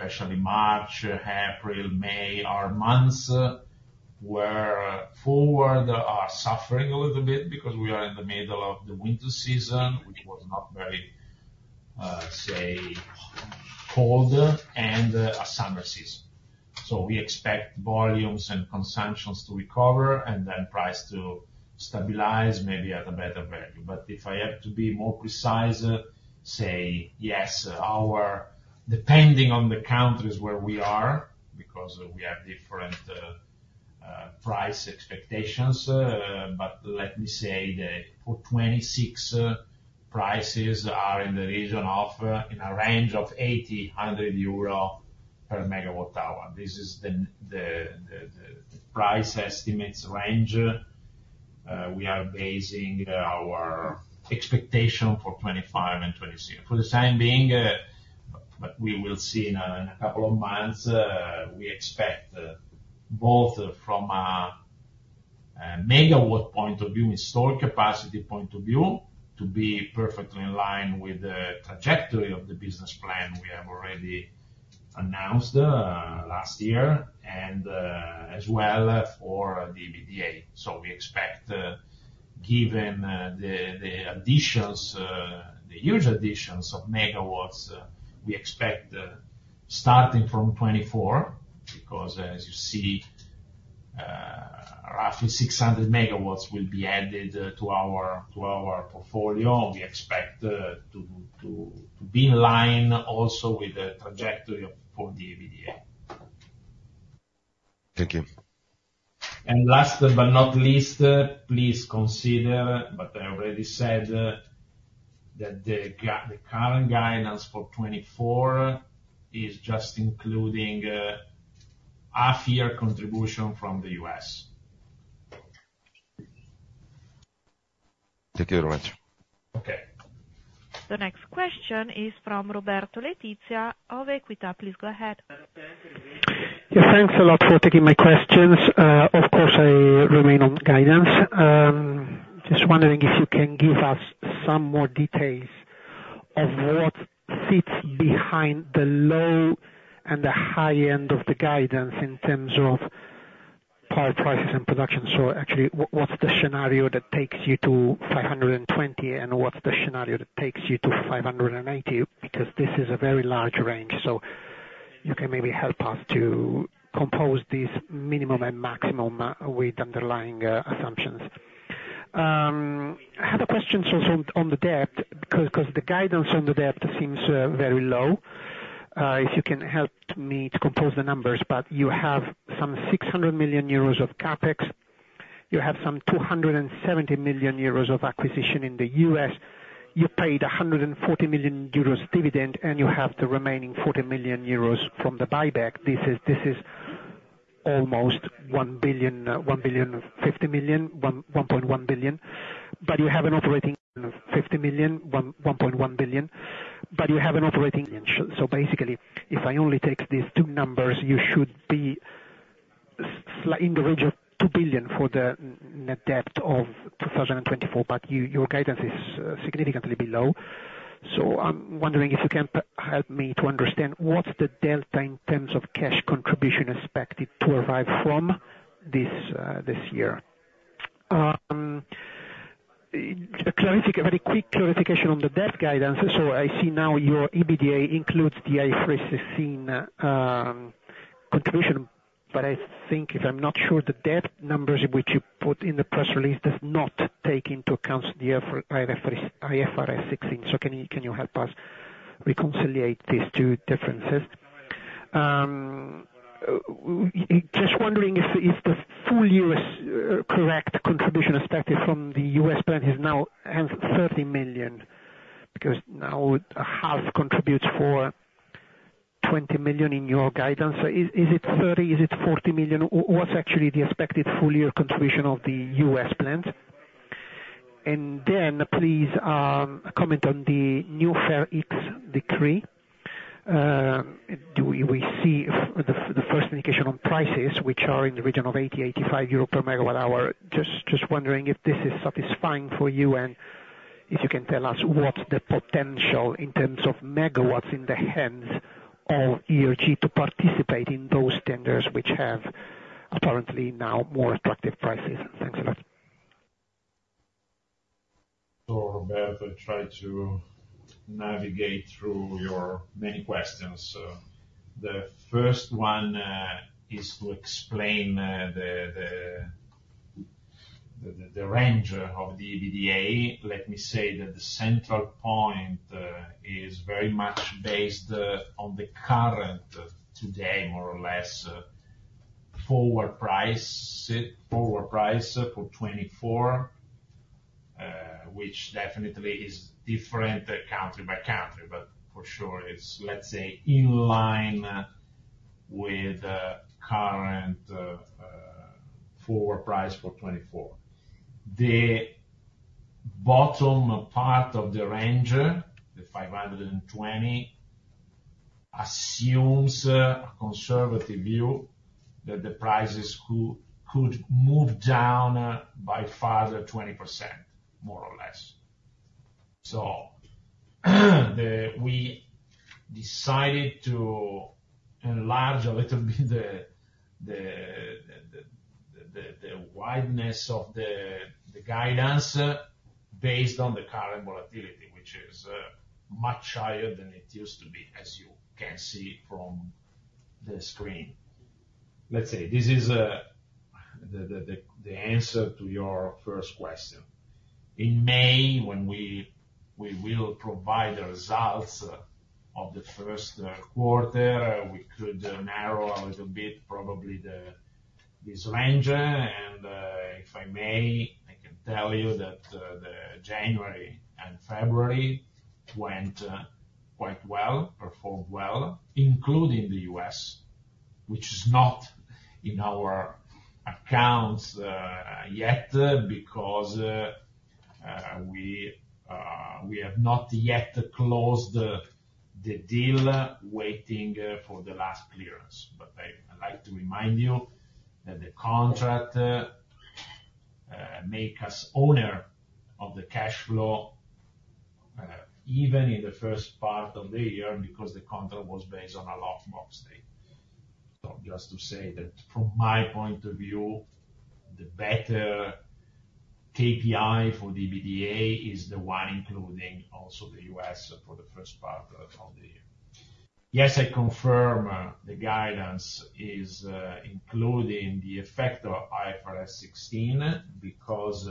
especially March, April, May, are months where forward are suffering a little bit because we are in the middle of the winter season, which was not very, say, cold, and a summer season. So we expect volumes and consumptions to recover and then price to stabilize maybe at a better value. But if I have to be more precise, say, yes, depending on the countries where we are because we have different price expectations, but let me say that for 2026, prices are in the region of in a range of 80-100 euro per MWh. This is the price estimates range. We are basing our expectation for 2025 and 2026. For the time being, but we will see in a couple of months, we expect both from a megawatt point of view, historic capacity point of view, to be perfectly in line with the trajectory of the business plan we have already announced last year and as well for the EBITDA. So we expect, given the additions, the huge additions of megawatts, we expect starting from 2024 because, as you see, roughly 600 MW will be added to our portfolio. We expect to be in line also with the trajectory for the EBITDA. Thank you. Last but not least, please consider, but I already said, that the current guidance for 2024 is just including half-year contribution from the U.S. Thank you very much. Okay. The next question is from Roberto Letizia of Equita. Please go ahead. Yeah. Thanks a lot for taking my questions. Of course, I remain on guidance. Just wondering if you can give us some more details of what sits behind the low and the high end of the guidance in terms of power prices and production. So actually, what's the scenario that takes you to 520, and what's the scenario that takes you to 580 because this is a very large range? So you can maybe help us to compose this minimum and maximum with underlying assumptions. I had a question also on the debt because the guidance on the debt seems very low. If you can help me to compose the numbers. But you have some 600 million euros of CapEx. You have some 270 million euros of acquisition in the US. You paid 140 million euros dividend, and you have the remaining 40 million euros from the buyback. This is almost 1 billion, 1.1 billion. But you have an operating of 50 million, 1.1 billion. But you have an operating, so basically, if I only take these two numbers, you should be in the range of 2 billion for the net debt of 2024. But your guidance is significantly below. So I'm wondering if you can help me to understand what's the delta in terms of cash contribution expected to arrive from this year. A very quick clarification on the debt guidance. So I see now your EBITDA includes the IFRS 16 contribution. But I think, if I'm not sure, the debt numbers which you put in the press release do not take into account the IFRS 16. So can you help us reconcile these two differences? Just wondering if the full US contribution expected from the US plan is now, hence, 30 million because now half contributes for 20 million in your guidance. Is it 30 million? Is it 40 million? What's actually the expected full-year contribution of the US plans? And then, please, comment on the new FER X decree. Do we see the first indication on prices, which are in the region of 80/MWh-85 euro/MWh? Just wondering if this is satisfying for you and if you can tell us what's the potential in terms of megawatts in the hands of ERG to participate in those tenders which have apparently now more attractive prices. Thanks a lot. Sure. I'm going to try to navigate through your many questions. The first one is to explain the range of the EBITDA. Let me say that the central point is very much based on the current, today, more or less, forward price for 2024, which definitely is different country by country. But for sure, it's, let's say, in line with current forward price for 2024. The bottom part of the range, the 520 million, assumes a conservative view that the prices could move down by further 20%, more or less. So we decided to enlarge a little bit the width of the guidance based on the current volatility, which is much higher than it used to be, as you can see from the screen. Let's say this is the answer to your first question. In May, when we will provide the results of the first quarter, we could narrow a little bit, probably, this range. If I may, I can tell you that January and February went quite well, performed well, including the US, which is not in our accounts yet because we have not yet closed the deal waiting for the last clearance. But I'd like to remind you that the contract makes us owner of the cash flow even in the first part of the year because the contract was based on a lockbox date. So just to say that, from my point of view, the better KPI for the EBITDA is the one including also the US for the first part of the year. Yes, I confirm the guidance is including the effect of IFRS 16 because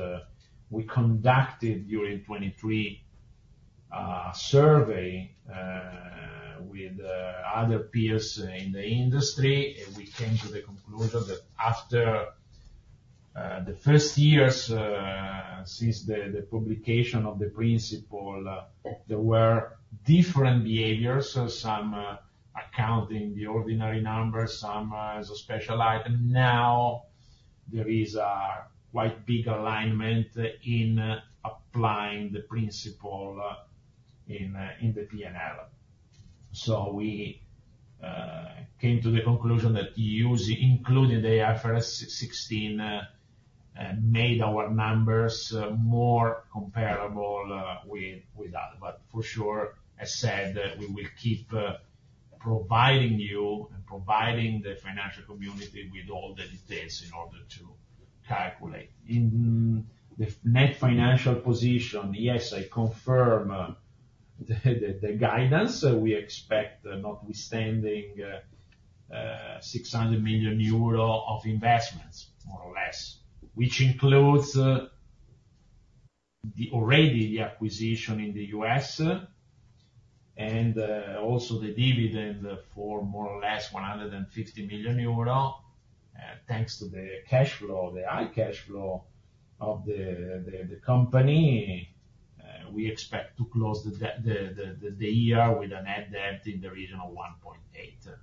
we conducted, during 2023, a survey with other peers in the industry, and we came to the conclusion that after the first years since the publication of the principle, there were different behaviors, some accounting the ordinary numbers, some as a special item. Now, there is a quite big alignment in applying the principle in the P&L. So we came to the conclusion that using including the IFRS 16 made our numbers more comparable with that. But for sure, as said, we will keep providing you and providing the financial community with all the details in order to calculate. In the net financial position, yes, I confirm the guidance. We expect, notwithstanding 600 million euro of investments, more or less, which includes already the acquisition in the US and also the dividend for more or less 150 million euro. Thanks to the cash flow, the high cash flow of the company, we expect to close the year with a net debt in the region of 1.8 billion.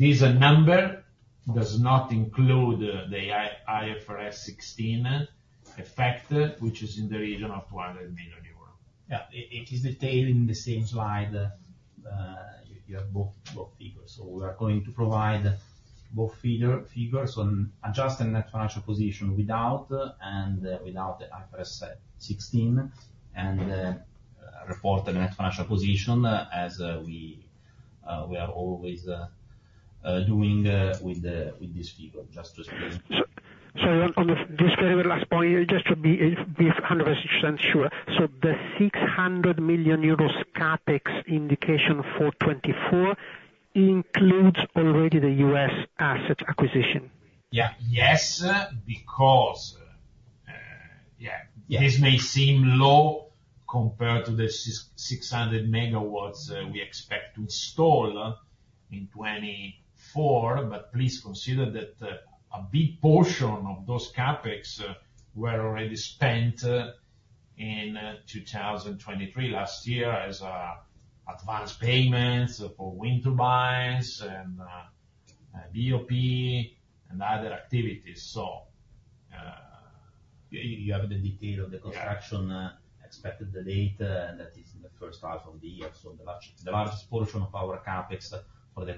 This number does not include the IFRS 16 effect, which is in the region of 200 million euros. Yeah. It is detailed in the same slide. You have both figures. So we are going to provide both figures on adjusting net financial position without and without the IFRS 16 and report the net financial position as we are always doing with this figure, just to explain. Sorry, on this very, very last point, just to be 100% sure. So the 600 million euros CapEx indication for 2024 includes already the US asset acquisition? Yeah. Yes, because, yeah, this may seem low compared to the 600 MW we expect to install in 2024. But please consider that a big portion of those CapEx were already spent in 2023, last year, as advance payments for wind turbines and BOP and other activities. So. You have the detail of the construction expected date, and that is in the first half of the year. So the largest portion of our CapEx for the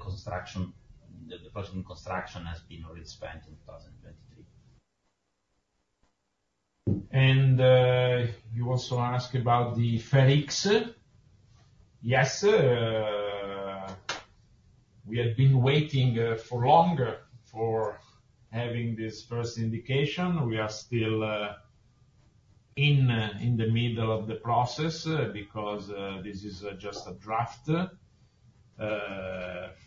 project in construction has been already spent in 2023. You also asked about the FER X. Yes, we had been waiting for longer for having this first indication. We are still in the middle of the process because this is just a draft.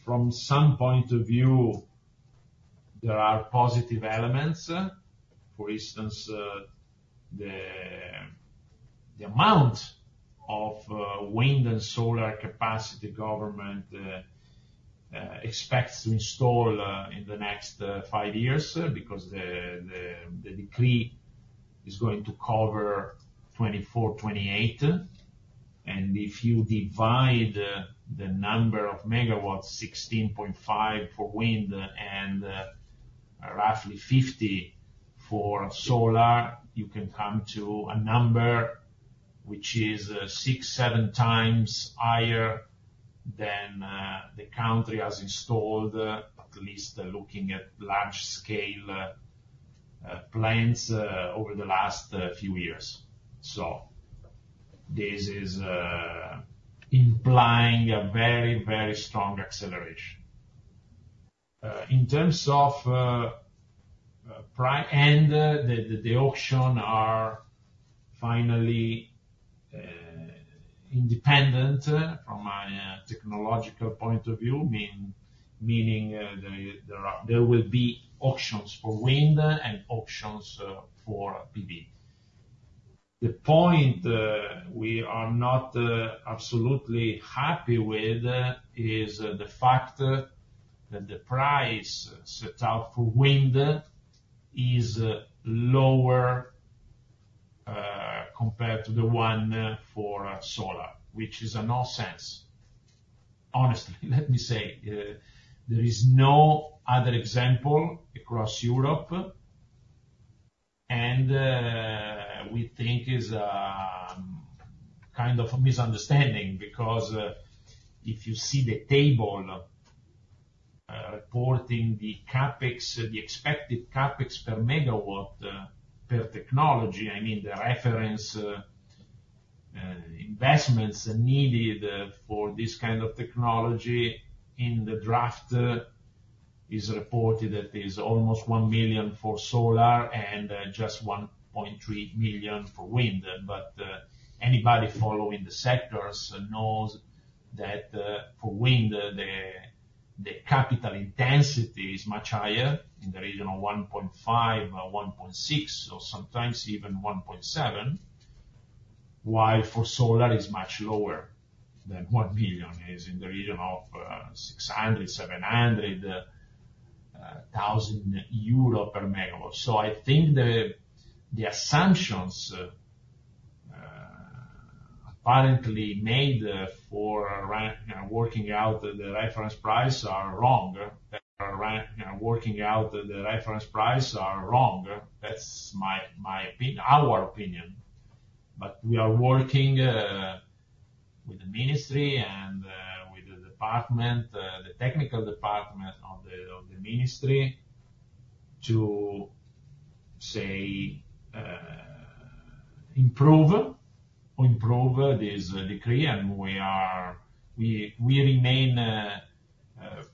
From some point of view, there are positive elements. For instance, the amount of Wind and Solar capacity government expects to install in the next five years because the decree is going to cover 2024-2028. And if you divide the number of megawatts, 16.5 MW for wind and roughly 50 MW for solar, you can come to a number which is 6-7 times higher than the country has installed, at least looking at large-scale plants over the last few years. So this is implying a very, very strong acceleration. In terms of price and the auction are finally independent from a technological point of view, meaning there will be auctions for wind and auctions for PV. The point we are not absolutely happy with is the fact that the price set out for Wind is lower compared to the one for Solar, which is a nonsense. Honestly, let me say, there is no other example across Europe. We think it's a kind of misunderstanding because if you see the table reporting the expected CapEx per megawatt per technology, I mean, the reference investments needed for this kind of technology in the draft is reported that it is almost 1 million for Solar and just 1.3 million for wind. But anybody following the sectors knows that for wind, the capital intensity is much higher in the region of 1.5 million, 1.6 million, or sometimes even 1.7 million, while for solar, it's much lower than 1 million. It's in the region of 600,000, EUR 700,000, 1 million per MW. So I think the assumptions apparently made for working out the reference price are wrong. That's our opinion. But we are working with the ministry and with the department, the technical department of the ministry, to, say, improve this decree. And we remain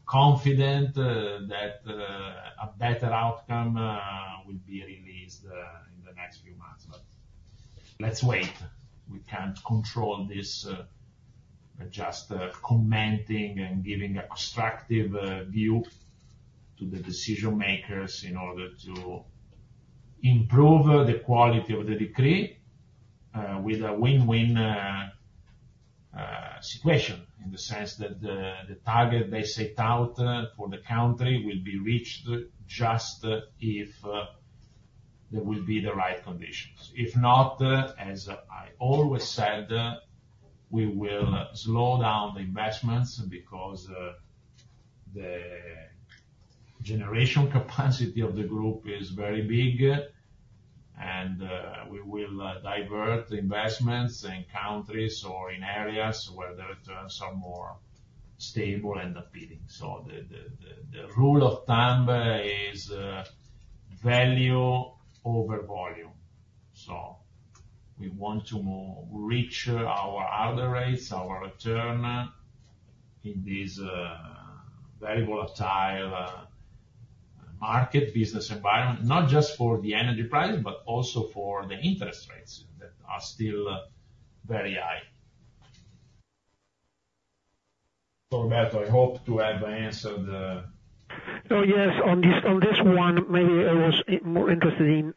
confident that a better outcome will be released in the next few months. But let's wait. We can't control this, just commenting and giving a constructive view to the decision-makers in order to improve the quality of the decree with a win-win situation in the sense that the target they set out for the country will be reached just if there will be the right conditions. If not, as I always said, we will slow down the investments because the generation capacity of the group is very big. We will divert investments in countries or in areas where the returns are more stable and appealing. So the rule of thumb is value over volume. So we want to reach our order rates, our return in this very volatile market, business environment, not just for the energy prices but also for the interest rates that are still very high. So, Roberto, I hope to have answered the. Oh, yes. On this one, maybe I was more interested in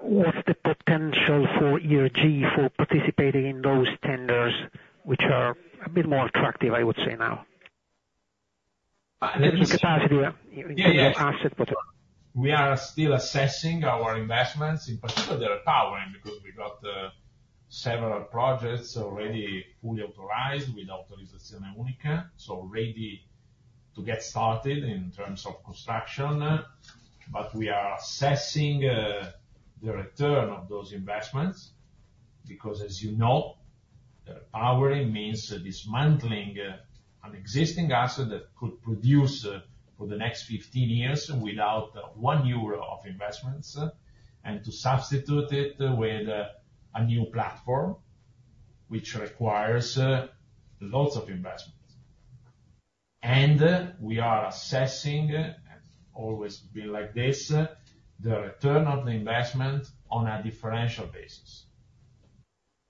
what's the potential for ERG for participating in those tenders, which are a bit more attractive, I would say, now, in capacity, in terms of asset potential. We are still assessing our investments, in particular, the repowering because we got several projects already fully authorized with Autorizzazione Unica, so ready to get started in terms of construction. We are assessing the return of those investments because, as you know, repowering means dismantling an existing asset that could produce for the next 15 years without 1 euro of investments and to substitute it with a new platform, which requires lots of investments. We are assessing, and it's always been like this, the return of the investment on a differential basis,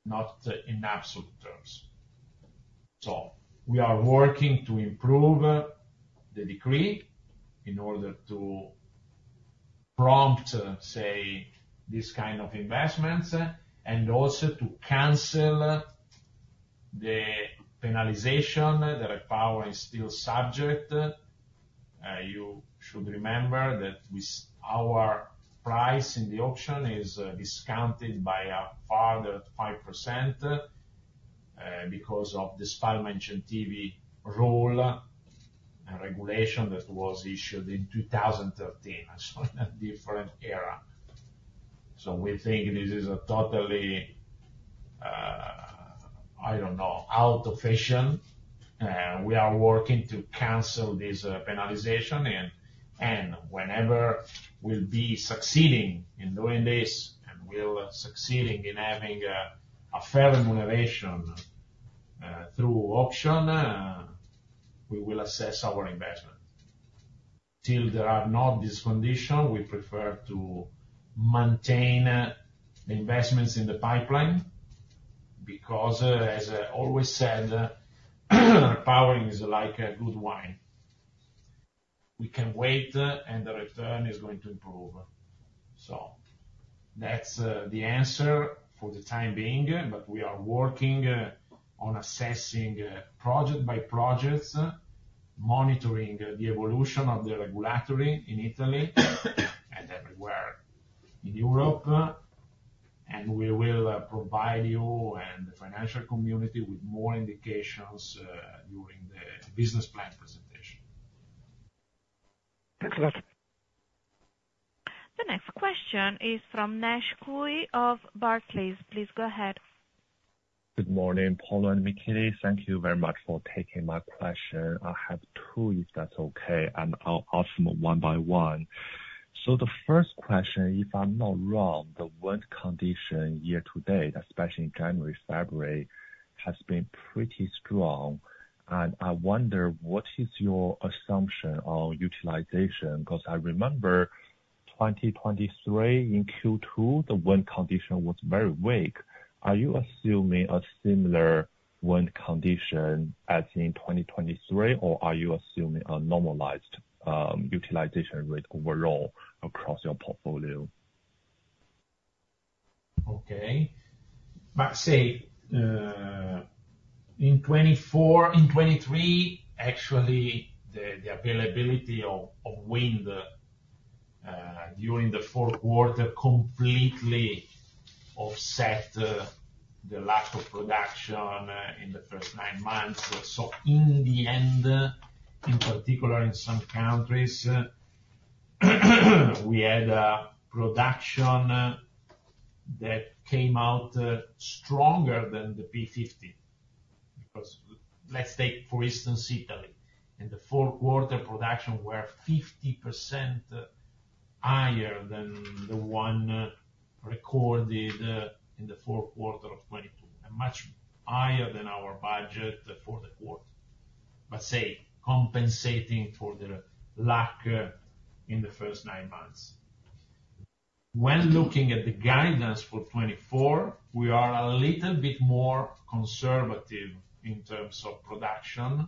not in absolute terms. We are working to improve the decree in order to prompt, say, this kind of investments and also to cancel the penalization. The repowering is still subject. You should remember that our price in the auction is discounted by a further 5% because of the Spalma Incentivi rule and regulation that was issued in 2013. So it's a different era. So we think this is totally, I don't know, out of fashion. We are working to cancel this penalization. And whenever we'll be succeeding in doing this and we'll succeed in having a fair remuneration through auction, we will assess our investments. Till there are not these conditions, we prefer to maintain the investments in the pipeline because, as I always said, repowering is like good wine. We can wait, and the return is going to improve. So that's the answer for the time being. But we are working on assessing project by project, monitoring the evolution of the regulatory in Italy and everywhere in Europe. We will provide you and the financial community with more indications during the business plan presentation. Excellent. The next question is from Naish Cui of Barclays. Please go ahead. Good morning, Paolo and Michele. Thank you very much for taking my question. I have two, if that's okay. I'll ask them one by one. The first question, if I'm not wrong, the wind condition year to date, especially in January, February, has been pretty strong. And I wonder, what is your assumption on utilization? Because I remember 2023, in Q2, the wind condition was very weak. Are you assuming a similar wind condition as in 2023, or are you assuming a normalized utilization rate overall across your portfolio? Okay. But see, in 2024, in 2023, actually, the availability of wind during the fourth quarter completely offset the lack of production in the first nine months. So in the end, in particular, in some countries, we had production that came out stronger than the P50. Let's take, for instance, Italy. In the fourth quarter, production were 50% higher than the one recorded in the fourth quarter of 2022 and much higher than our budget for the quarter. But, say, compensating for the lack in the first nine months. When looking at the guidance for 2024, we are a little bit more conservative in terms of production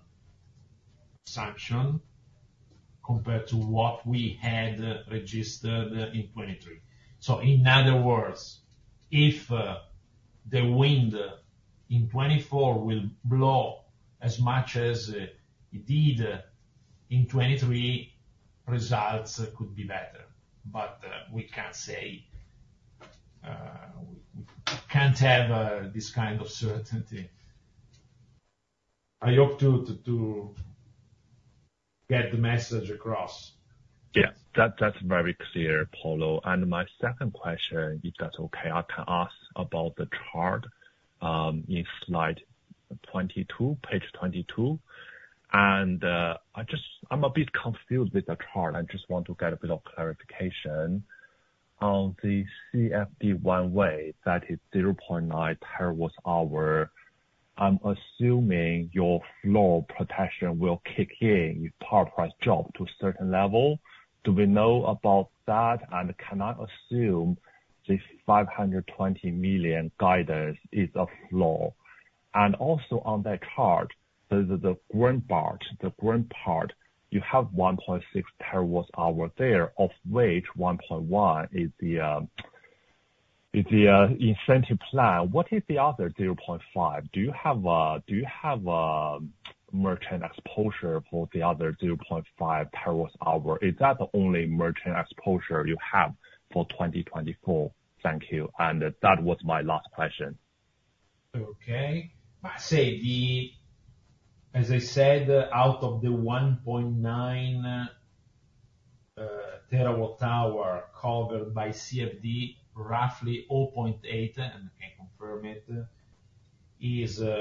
assumption compared to what we had registered in 2023. So, in other words, if the wind in 2024 will blow as much as it did in 2023, results could be better. But we can't say we can't have this kind of certainty. I hope to get the message across. Yes. That's very clear, Paolo. And my second question, if that's okay, I can ask about the chart in slide 22, page 22. And I'm a bit confused with the chart. I just want to get a bit of clarification. On the CFD one-way, that is 0.9 TWh, I'm assuming your floor protection will kick in if power price drops to a certain level. Do we know about that? And can I assume the 520 million guidance is a floor? And also, on that chart, the GRIN part, you have 1.6 TWh there, of which 1.1 is the incentive plan. What is the other 0.5? Do you have a merchant exposure for the other 0.5 TWh? Is that the only merchant exposure you have for 2024? Thank you. And that was my last question. Okay. But see, as I said, out of the 1.9 TWh covered by CFD, roughly 0.8 - and I can confirm it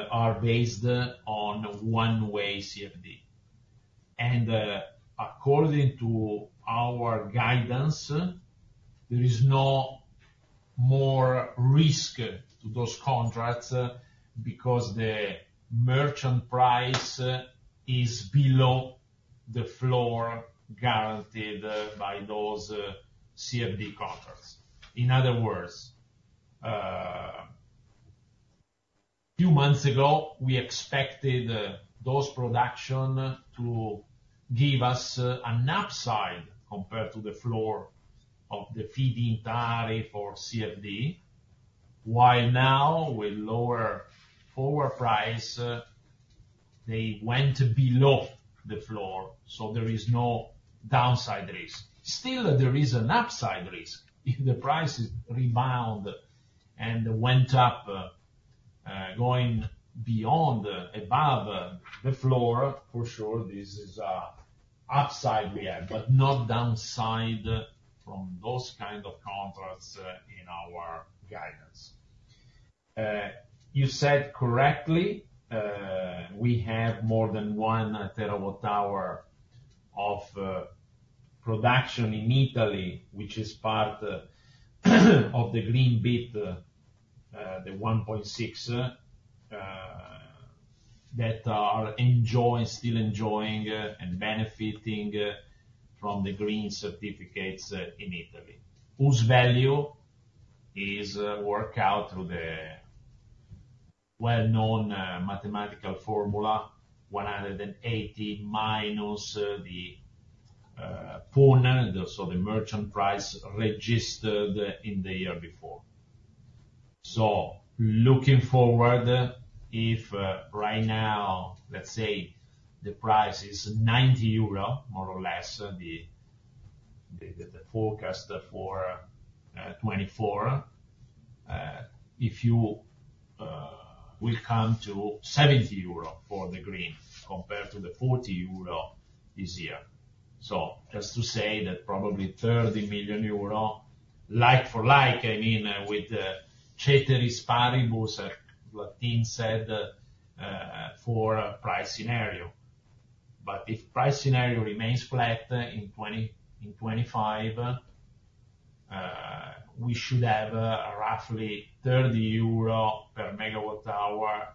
- are based on one-way CFD. And according to our guidance, there is no more risk to those contracts because the merchant price is below the floor guaranteed by those CFD contracts. In other words, a few months ago, we expected those productions to give us an upside compared to the floor of the feed-in tariff or CFD. While now, with lower floor price, they went below the floor. So there is no downside risk. Still, there is an upside risk if the prices rebound and went up going above the floor. For sure, this is an upside we have, but not downside from those kinds of contracts in our guidance. You said correctly, we have more than 1 TWh of production in Italy, which is part of the green bit, the 1.6, that are still enjoying and benefiting from the green certificates in Italy, whose value is worked out through the well-known mathematical formula 180 minus the PUN, so the merchant price registered in the year before. So looking forward, if right now, let's say, the price is 90 euro, more or less, the forecast for 2024, we'll come to 70 euro for the green compared to the 40 euro this year. So just to say that probably 30 million euro, like for like, I mean, with ceteris paribus, as Latin said, for price scenario. But if price scenario remains flat in 2025, we should have roughly 30 EUR/MWh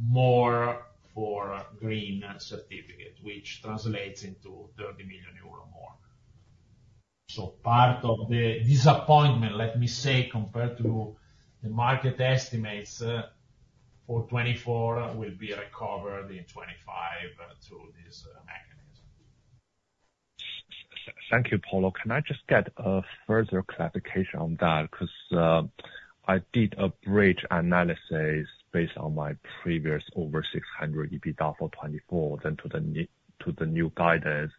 more for green certificates, which translates into 30 million euro more. Part of the disappointment, let me say, compared to the market estimates for 2024 will be recovered in 2025 through this mechanism. Thank you, Paolo. Can I just get further clarification on that? Because I did a bridge analysis based on my previous over 600 million EBITDA for 2024 than to the new guidance.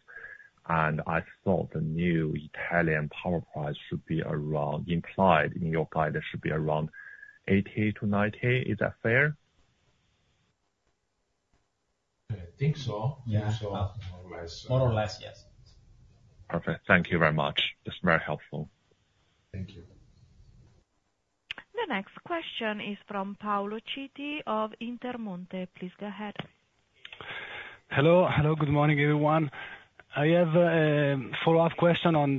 I thought the new Italian power price should be around implied in your guidance should be around 80-90. Is that fair? I think so. I think so. Yeah. More or less. More or less, yes. Perfect. Thank you very much. That's very helpful. Thank you. The next question is from Paolo Citi of Intermonte. Please go ahead. Hello. Hello. Good morning, everyone. I have a follow-up question on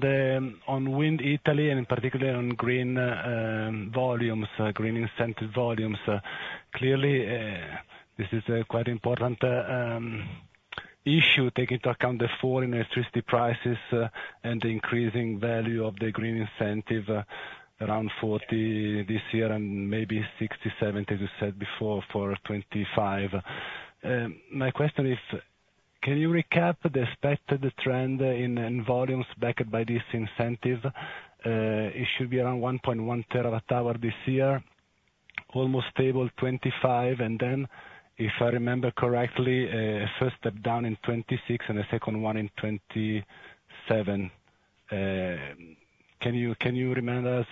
Wind Italy and, in particular, on green volumes, green incentive volumes. Clearly, this is a quite important issue taking into account the foreign electricity prices and the increasing value of the green incentive around 40 this year and maybe 60-70, as you said before, for 2025. My question is, can you recap the expected trend in volumes backed by this incentive? It should be around 1.1 TWh this year, almost stable 2025, and then, if I remember correctly, a first step down in 2026 and a second one in 2027. Can you remember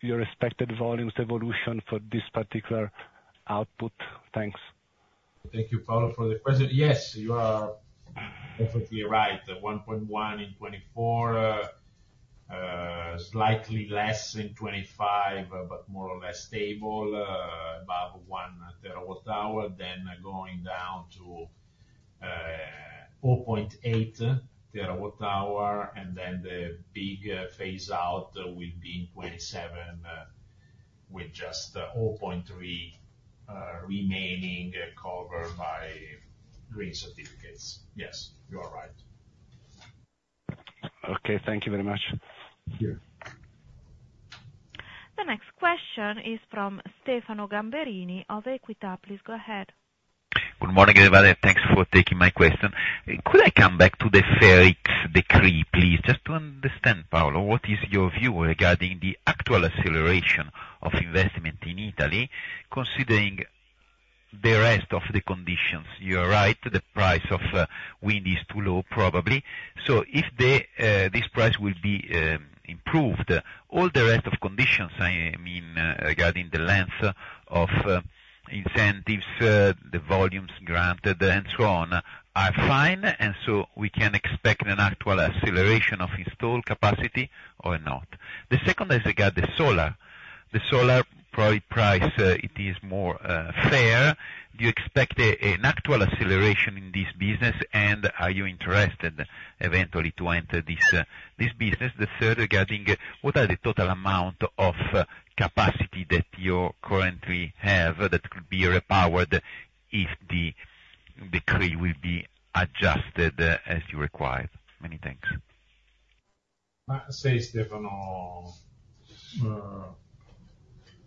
your expected volumes evolution for this particular output? Thanks. Thank you, Paolo, for the question. Yes, you are perfectly right. 1.1 in 2024, slightly less in 2025, but more or less stable, above 1 TWh, then going down to 0.8 TWh. And then the big phase-out will be in 2027 with just 0.3 remaining covered by green certificates. Yes, you are right. Okay. Thank you very much. The next question is from Stefano Gamberini of Equita. Please go ahead. Good morning, everybody. Thanks for taking my question. Could I come back to the FER X decree, please? Just to understand, Paolo, what is your view regarding the actual acceleration of investment in Italy considering the rest of the conditions? You are right. The price of wind is too low, probably. So if this price will be improved, all the rest of conditions, I mean, regarding the length of incentives, the volumes granted, and so on, are fine. And so we can expect an actual acceleration of installed capacity or not. The second is regarding solar. The solar price, it is more fair. Do you expect an actual acceleration in this business, and are you interested, eventually, to enter this business? The third, regarding what are the total amount of capacity that you currently have that could be repowered if the decree will be adjusted as you require? Many thanks. Thanks, Stefano.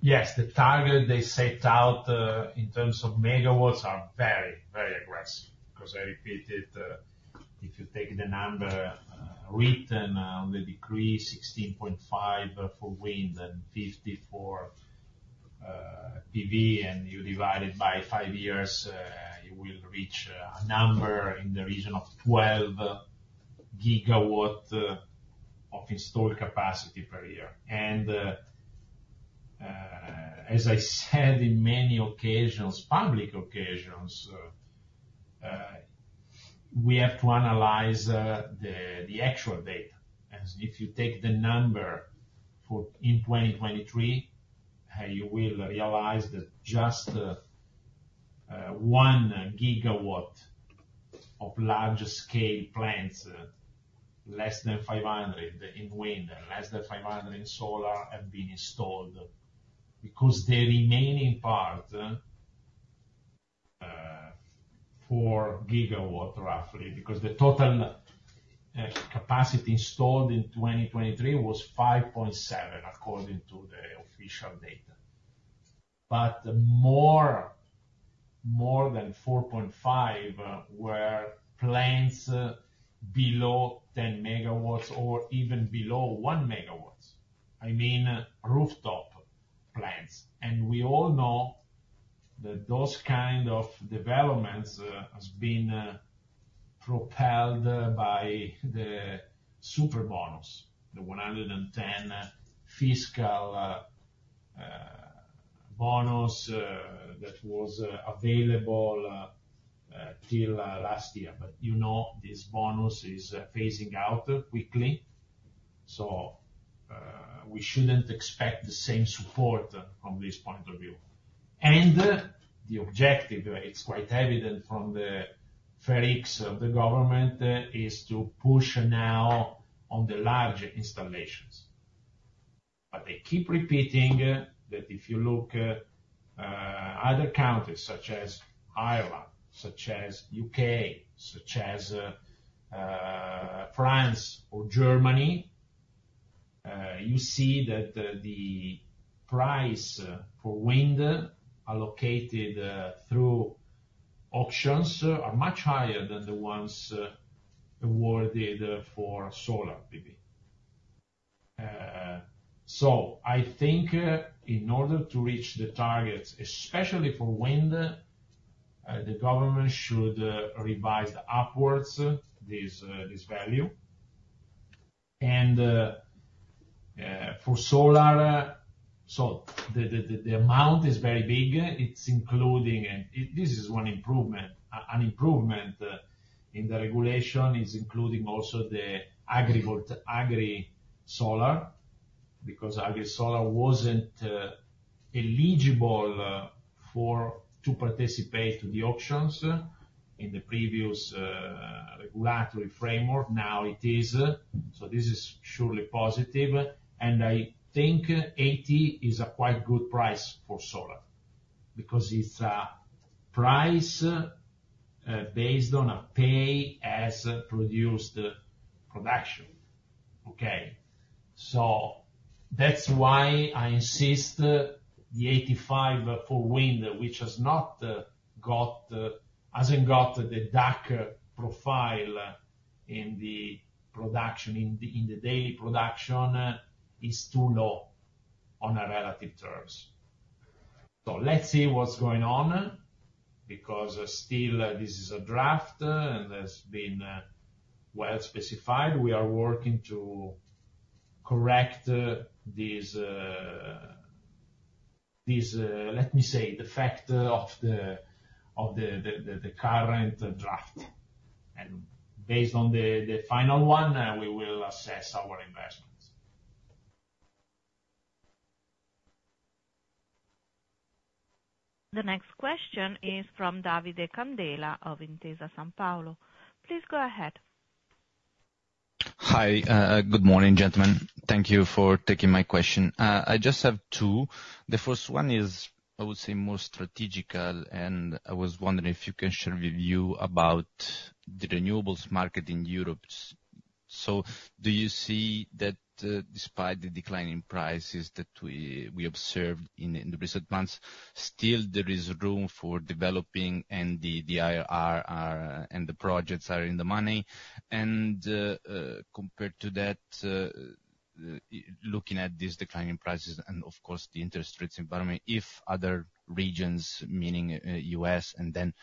Yes, the target they set out in terms of megawatts are very, very aggressive because I repeated, if you take the number written on the decree, 16.5 for wind and 50 for PV, and you divide it by 5 years, you will reach a number in the region of 12 GW of installed capacity per year. And as I said in many occasions, public occasions, we have to analyze the actual data. And if you take the number in 2023, you will realize that just 1 GW of large-scale plants, less than 500 MW in wind and less than 500 MW in solar, have been installed because the remaining part, 4 GW, roughly, because the total capacity installed in 2023 was 5.7 according to the official data. But more than 4.5 were plants below 10 MW or even below 1 MW. I mean, rooftop plants. We all know that those kinds of developments have been propelled by the super bonus, the 110 fiscal bonus that was available till last year. This bonus is phasing out quickly. We shouldn't expect the same support from this point of view. The objective, it's quite evident from the FER X of the government, is to push now on the large installations. They keep repeating that if you look at other countries such as Ireland, such as the U.K., such as France or Germany, you see that the price for wind allocated through auctions is much higher than the ones awarded for Solar PV. I think in order to reach the targets, especially for wind, the government should revise upwards this value. For Solar, the amount is very big. This is one improvement. An improvement in the regulation is including also the Agri-Solar because Agri-Solar wasn't eligible to participate in the auctions in the previous regulatory framework. Now it is. So this is surely positive. And I think 80 is a quite good price for solar because it's a price based on a pay as produced production. Okay? So that's why I insist the 85 for wind, which has not got the DAC profile in the daily production, is too low on relative terms. So let's see what's going on because still, this is a draft, and it's been well specified. We are working to correct this, let me say, the fact of the current draft. And based on the final one, we will assess our investments. The next question is from Davide Candela of Intesa Sanpaolo. Please go ahead. Hi. Good morning, gentlemen. Thank you for taking my question. I just have two. The first one is I would say, more strategic. And I was wondering if you can share a view about the renewables market in Europe. So do you see that despite the declining prices that we observed in the recent months, still, there is room for developing, and the IRR and the projects are in the money? And compared to that, looking at these declining prices and, of course, the interest rates environment, if other regions, meaning the U.S., and then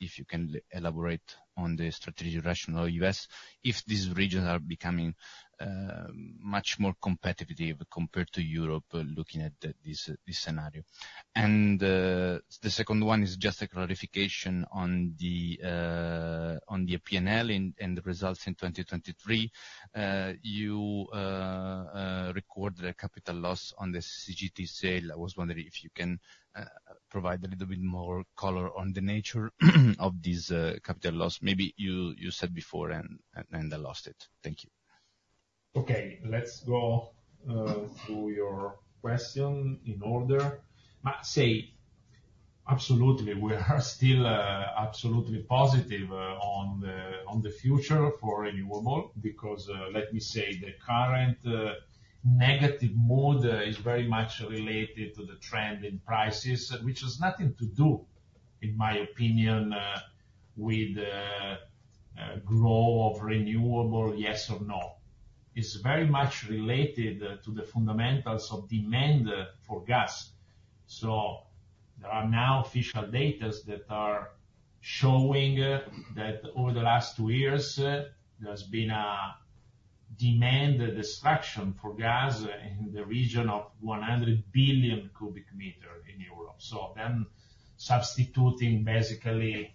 if you can elaborate on the strategic rationale of the U.S., if these regions are becoming much more competitive compared to Europe looking at this scenario. And the second one is just a clarification on the P&L and the results in 2023. You recorded a capital loss on the CCGT sale. I was wondering if you can provide a little bit more color on the nature of this capital loss. Maybe you said before, and I lost it. Thank you. Okay. Let's go through your question in order. Absolutely. We are still absolutely positive on the future for renewable because, let me say, the current negative mood is very much related to the trend in prices, which has nothing to do, in my opinion, with the growth of renewable, yes or no. It's very much related to the fundamentals of demand for gas. So there are now official data that are showing that over the last two years, there has been a demand destruction for gas in the region of 100 billion cubic meters in Europe, so then substituting, basically,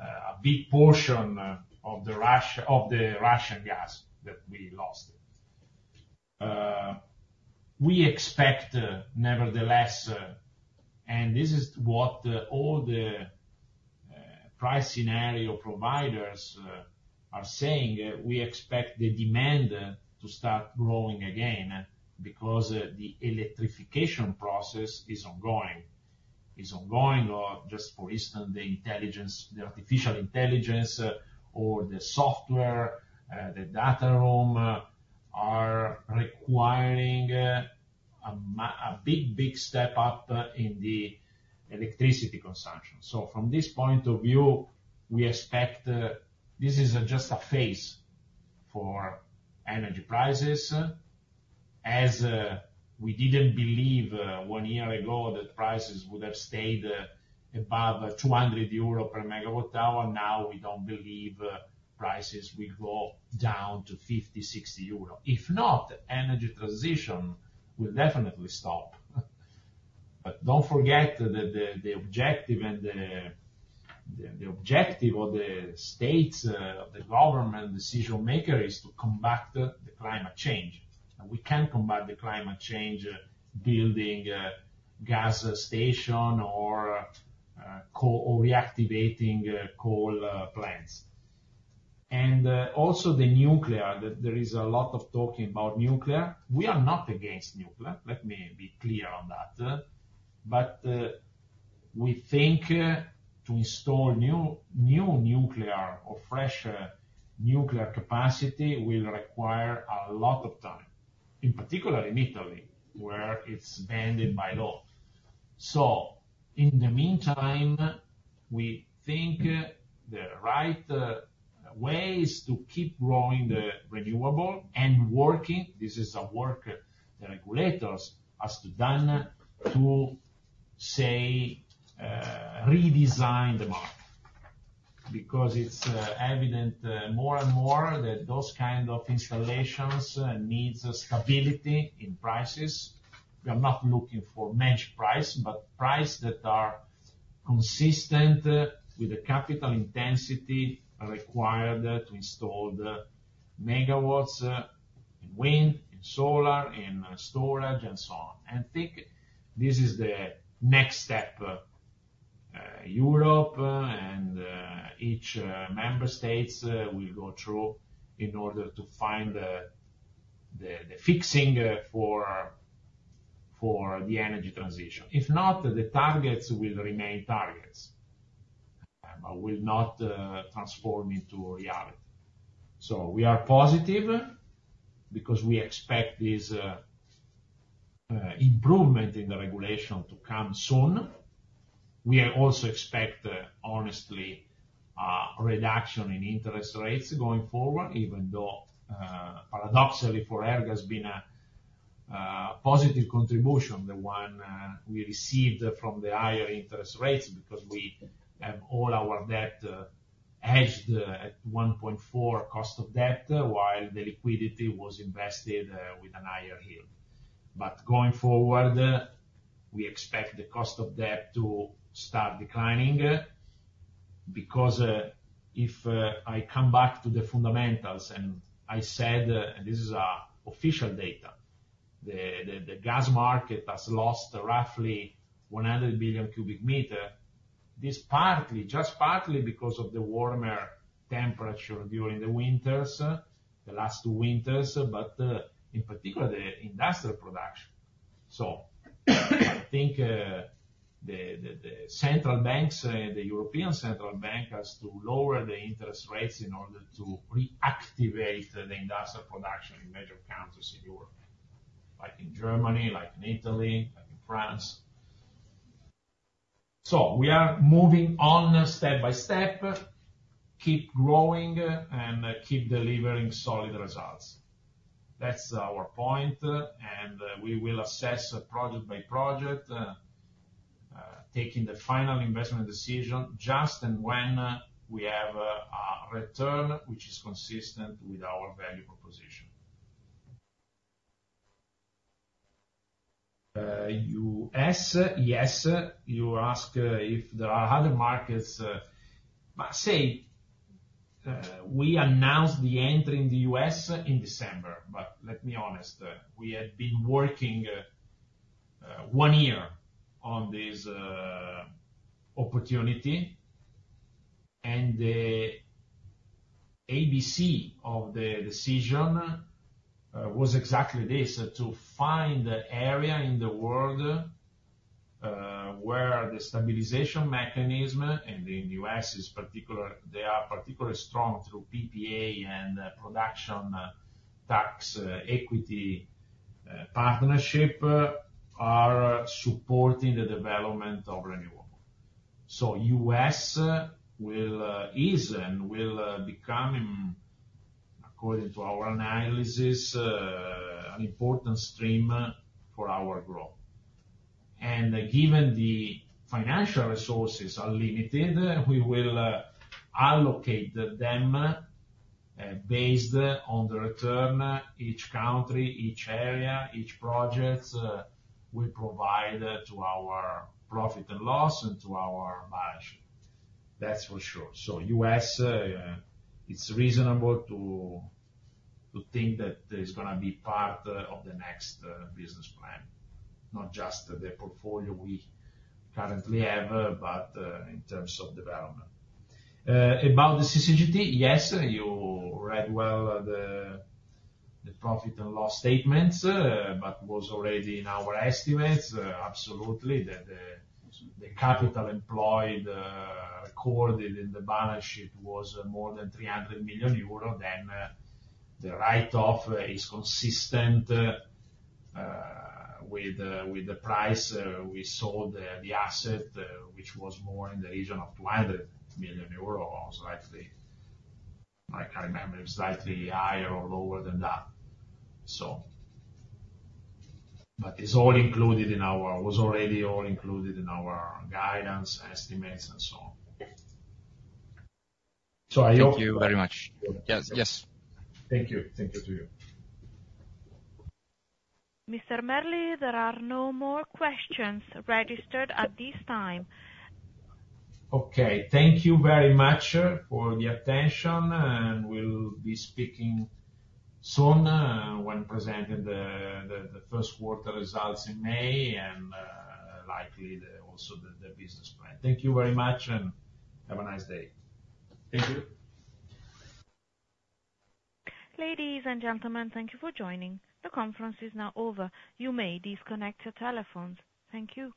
a big portion of the Russian gas that we lost. We expect, nevertheless, and this is what all the price scenario providers are saying, we expect the demand to start growing again because the electrification process is ongoing. It's ongoing. Or just, for instance, the artificial intelligence or the software, the data room are requiring a big, big step up in the electricity consumption. So from this point of view, we expect this is just a phase for energy prices. We didn't believe one year ago that prices would have stayed above 200 EUR/MWh. Now, we don't believe prices will go down to 50-60 EUR/MWh. If not, energy transition will definitely stop. But don't forget that the objective of the states, of the government decision-makers, is to combat the climate change. And we can combat the climate change building gas stations or reactivating coal plants. And also, there is a lot of talking about nuclear. We are not against nuclear. Let me be clear on that. But we think to install new nuclear or fresh nuclear capacity will require a lot of time, in particular, in Italy, where it's banned by law. So in the meantime, we think the right ways to keep growing the renewables and working. This is a work the regulators have done to, say, redesign the market because it's evident more and more that those kinds of installations need stability in prices. We are not looking for matched price, but prices that are consistent with the capital intensity required to install the megawatts in wind, in solar, in storage, and so on. And I think this is the next step Europe and each member state will go through in order to find the fixing for the energy transition. If not, the targets will remain targets but will not transform into reality. So we are positive because we expect this improvement in the regulation to come soon. We also expect, honestly, a reduction in interest rates going forward, even though, paradoxically, for ERG, it's been a positive contribution, the one we received from the higher interest rates because we have all our debt hedged at 1.4 cost of debt while the liquidity was invested with a higher yield. But going forward, we expect the cost of debt to start declining because if I come back to the fundamentals and I said - and this is official data—the gas market has lost roughly 100 billion cubic meters. This is partly, just partly, because of the warmer temperature during the last two winters, but in particular, the industrial production. So I think the European Central Bank has to lower the interest rates in order to reactivate the industrial production in major countries in Europe, like in Germany, like in Italy, like in France. So we are moving on step by step, keep growing, and keep delivering solid results. That's our point. And we will assess project by project, taking the final investment decision just and when we have a return which is consistent with our value proposition. U.S., yes. You ask if there are other markets. Say, we announced the entry in the U.S. in December. But let me be honest. We had been working one year on this opportunity. And the ABC of the decision was exactly this: to find the area in the world where the stabilization mechanism, and in the U.S., they are particularly strong through PPA and production tax equity partnership, are supporting the development of renewable. So the U.S. is and will become, according to our analysis, an important stream for our growth. Given the financial resources are limited, we will allocate them based on the return. Each country, each area, each project will provide to our profit and loss and to our balance sheet. That's for sure. So the U.S., it's reasonable to think that it's going to be part of the next business plan, not just the portfolio we currently have but in terms of development. About the CCGT, yes. You read well the profit and loss statements but it was already in our estimates. Absolutely. The capital employed recorded in the balance sheet was more than 300 million euro. Then the write-off is consistent with the price we sold the asset, which was more in the region of 200 million euro. I can't remember if it's slightly higher or lower than that, so But it's all included in our. It was already all included in our guidance, estimates, and so on. So I hope. Thank you very much. Yes. Thank you. Thank you to you. Mr. Merli, there are no more questions registered at this time. Okay. Thank you very much for the attention. We'll be speaking soon when presenting the first quarter results in May and likely also the business plan. Thank you very much, and have a nice day. Thank you. Ladies and gentlemen, thank you for joining. The conference is now over. You may disconnect your telephones. Thank you.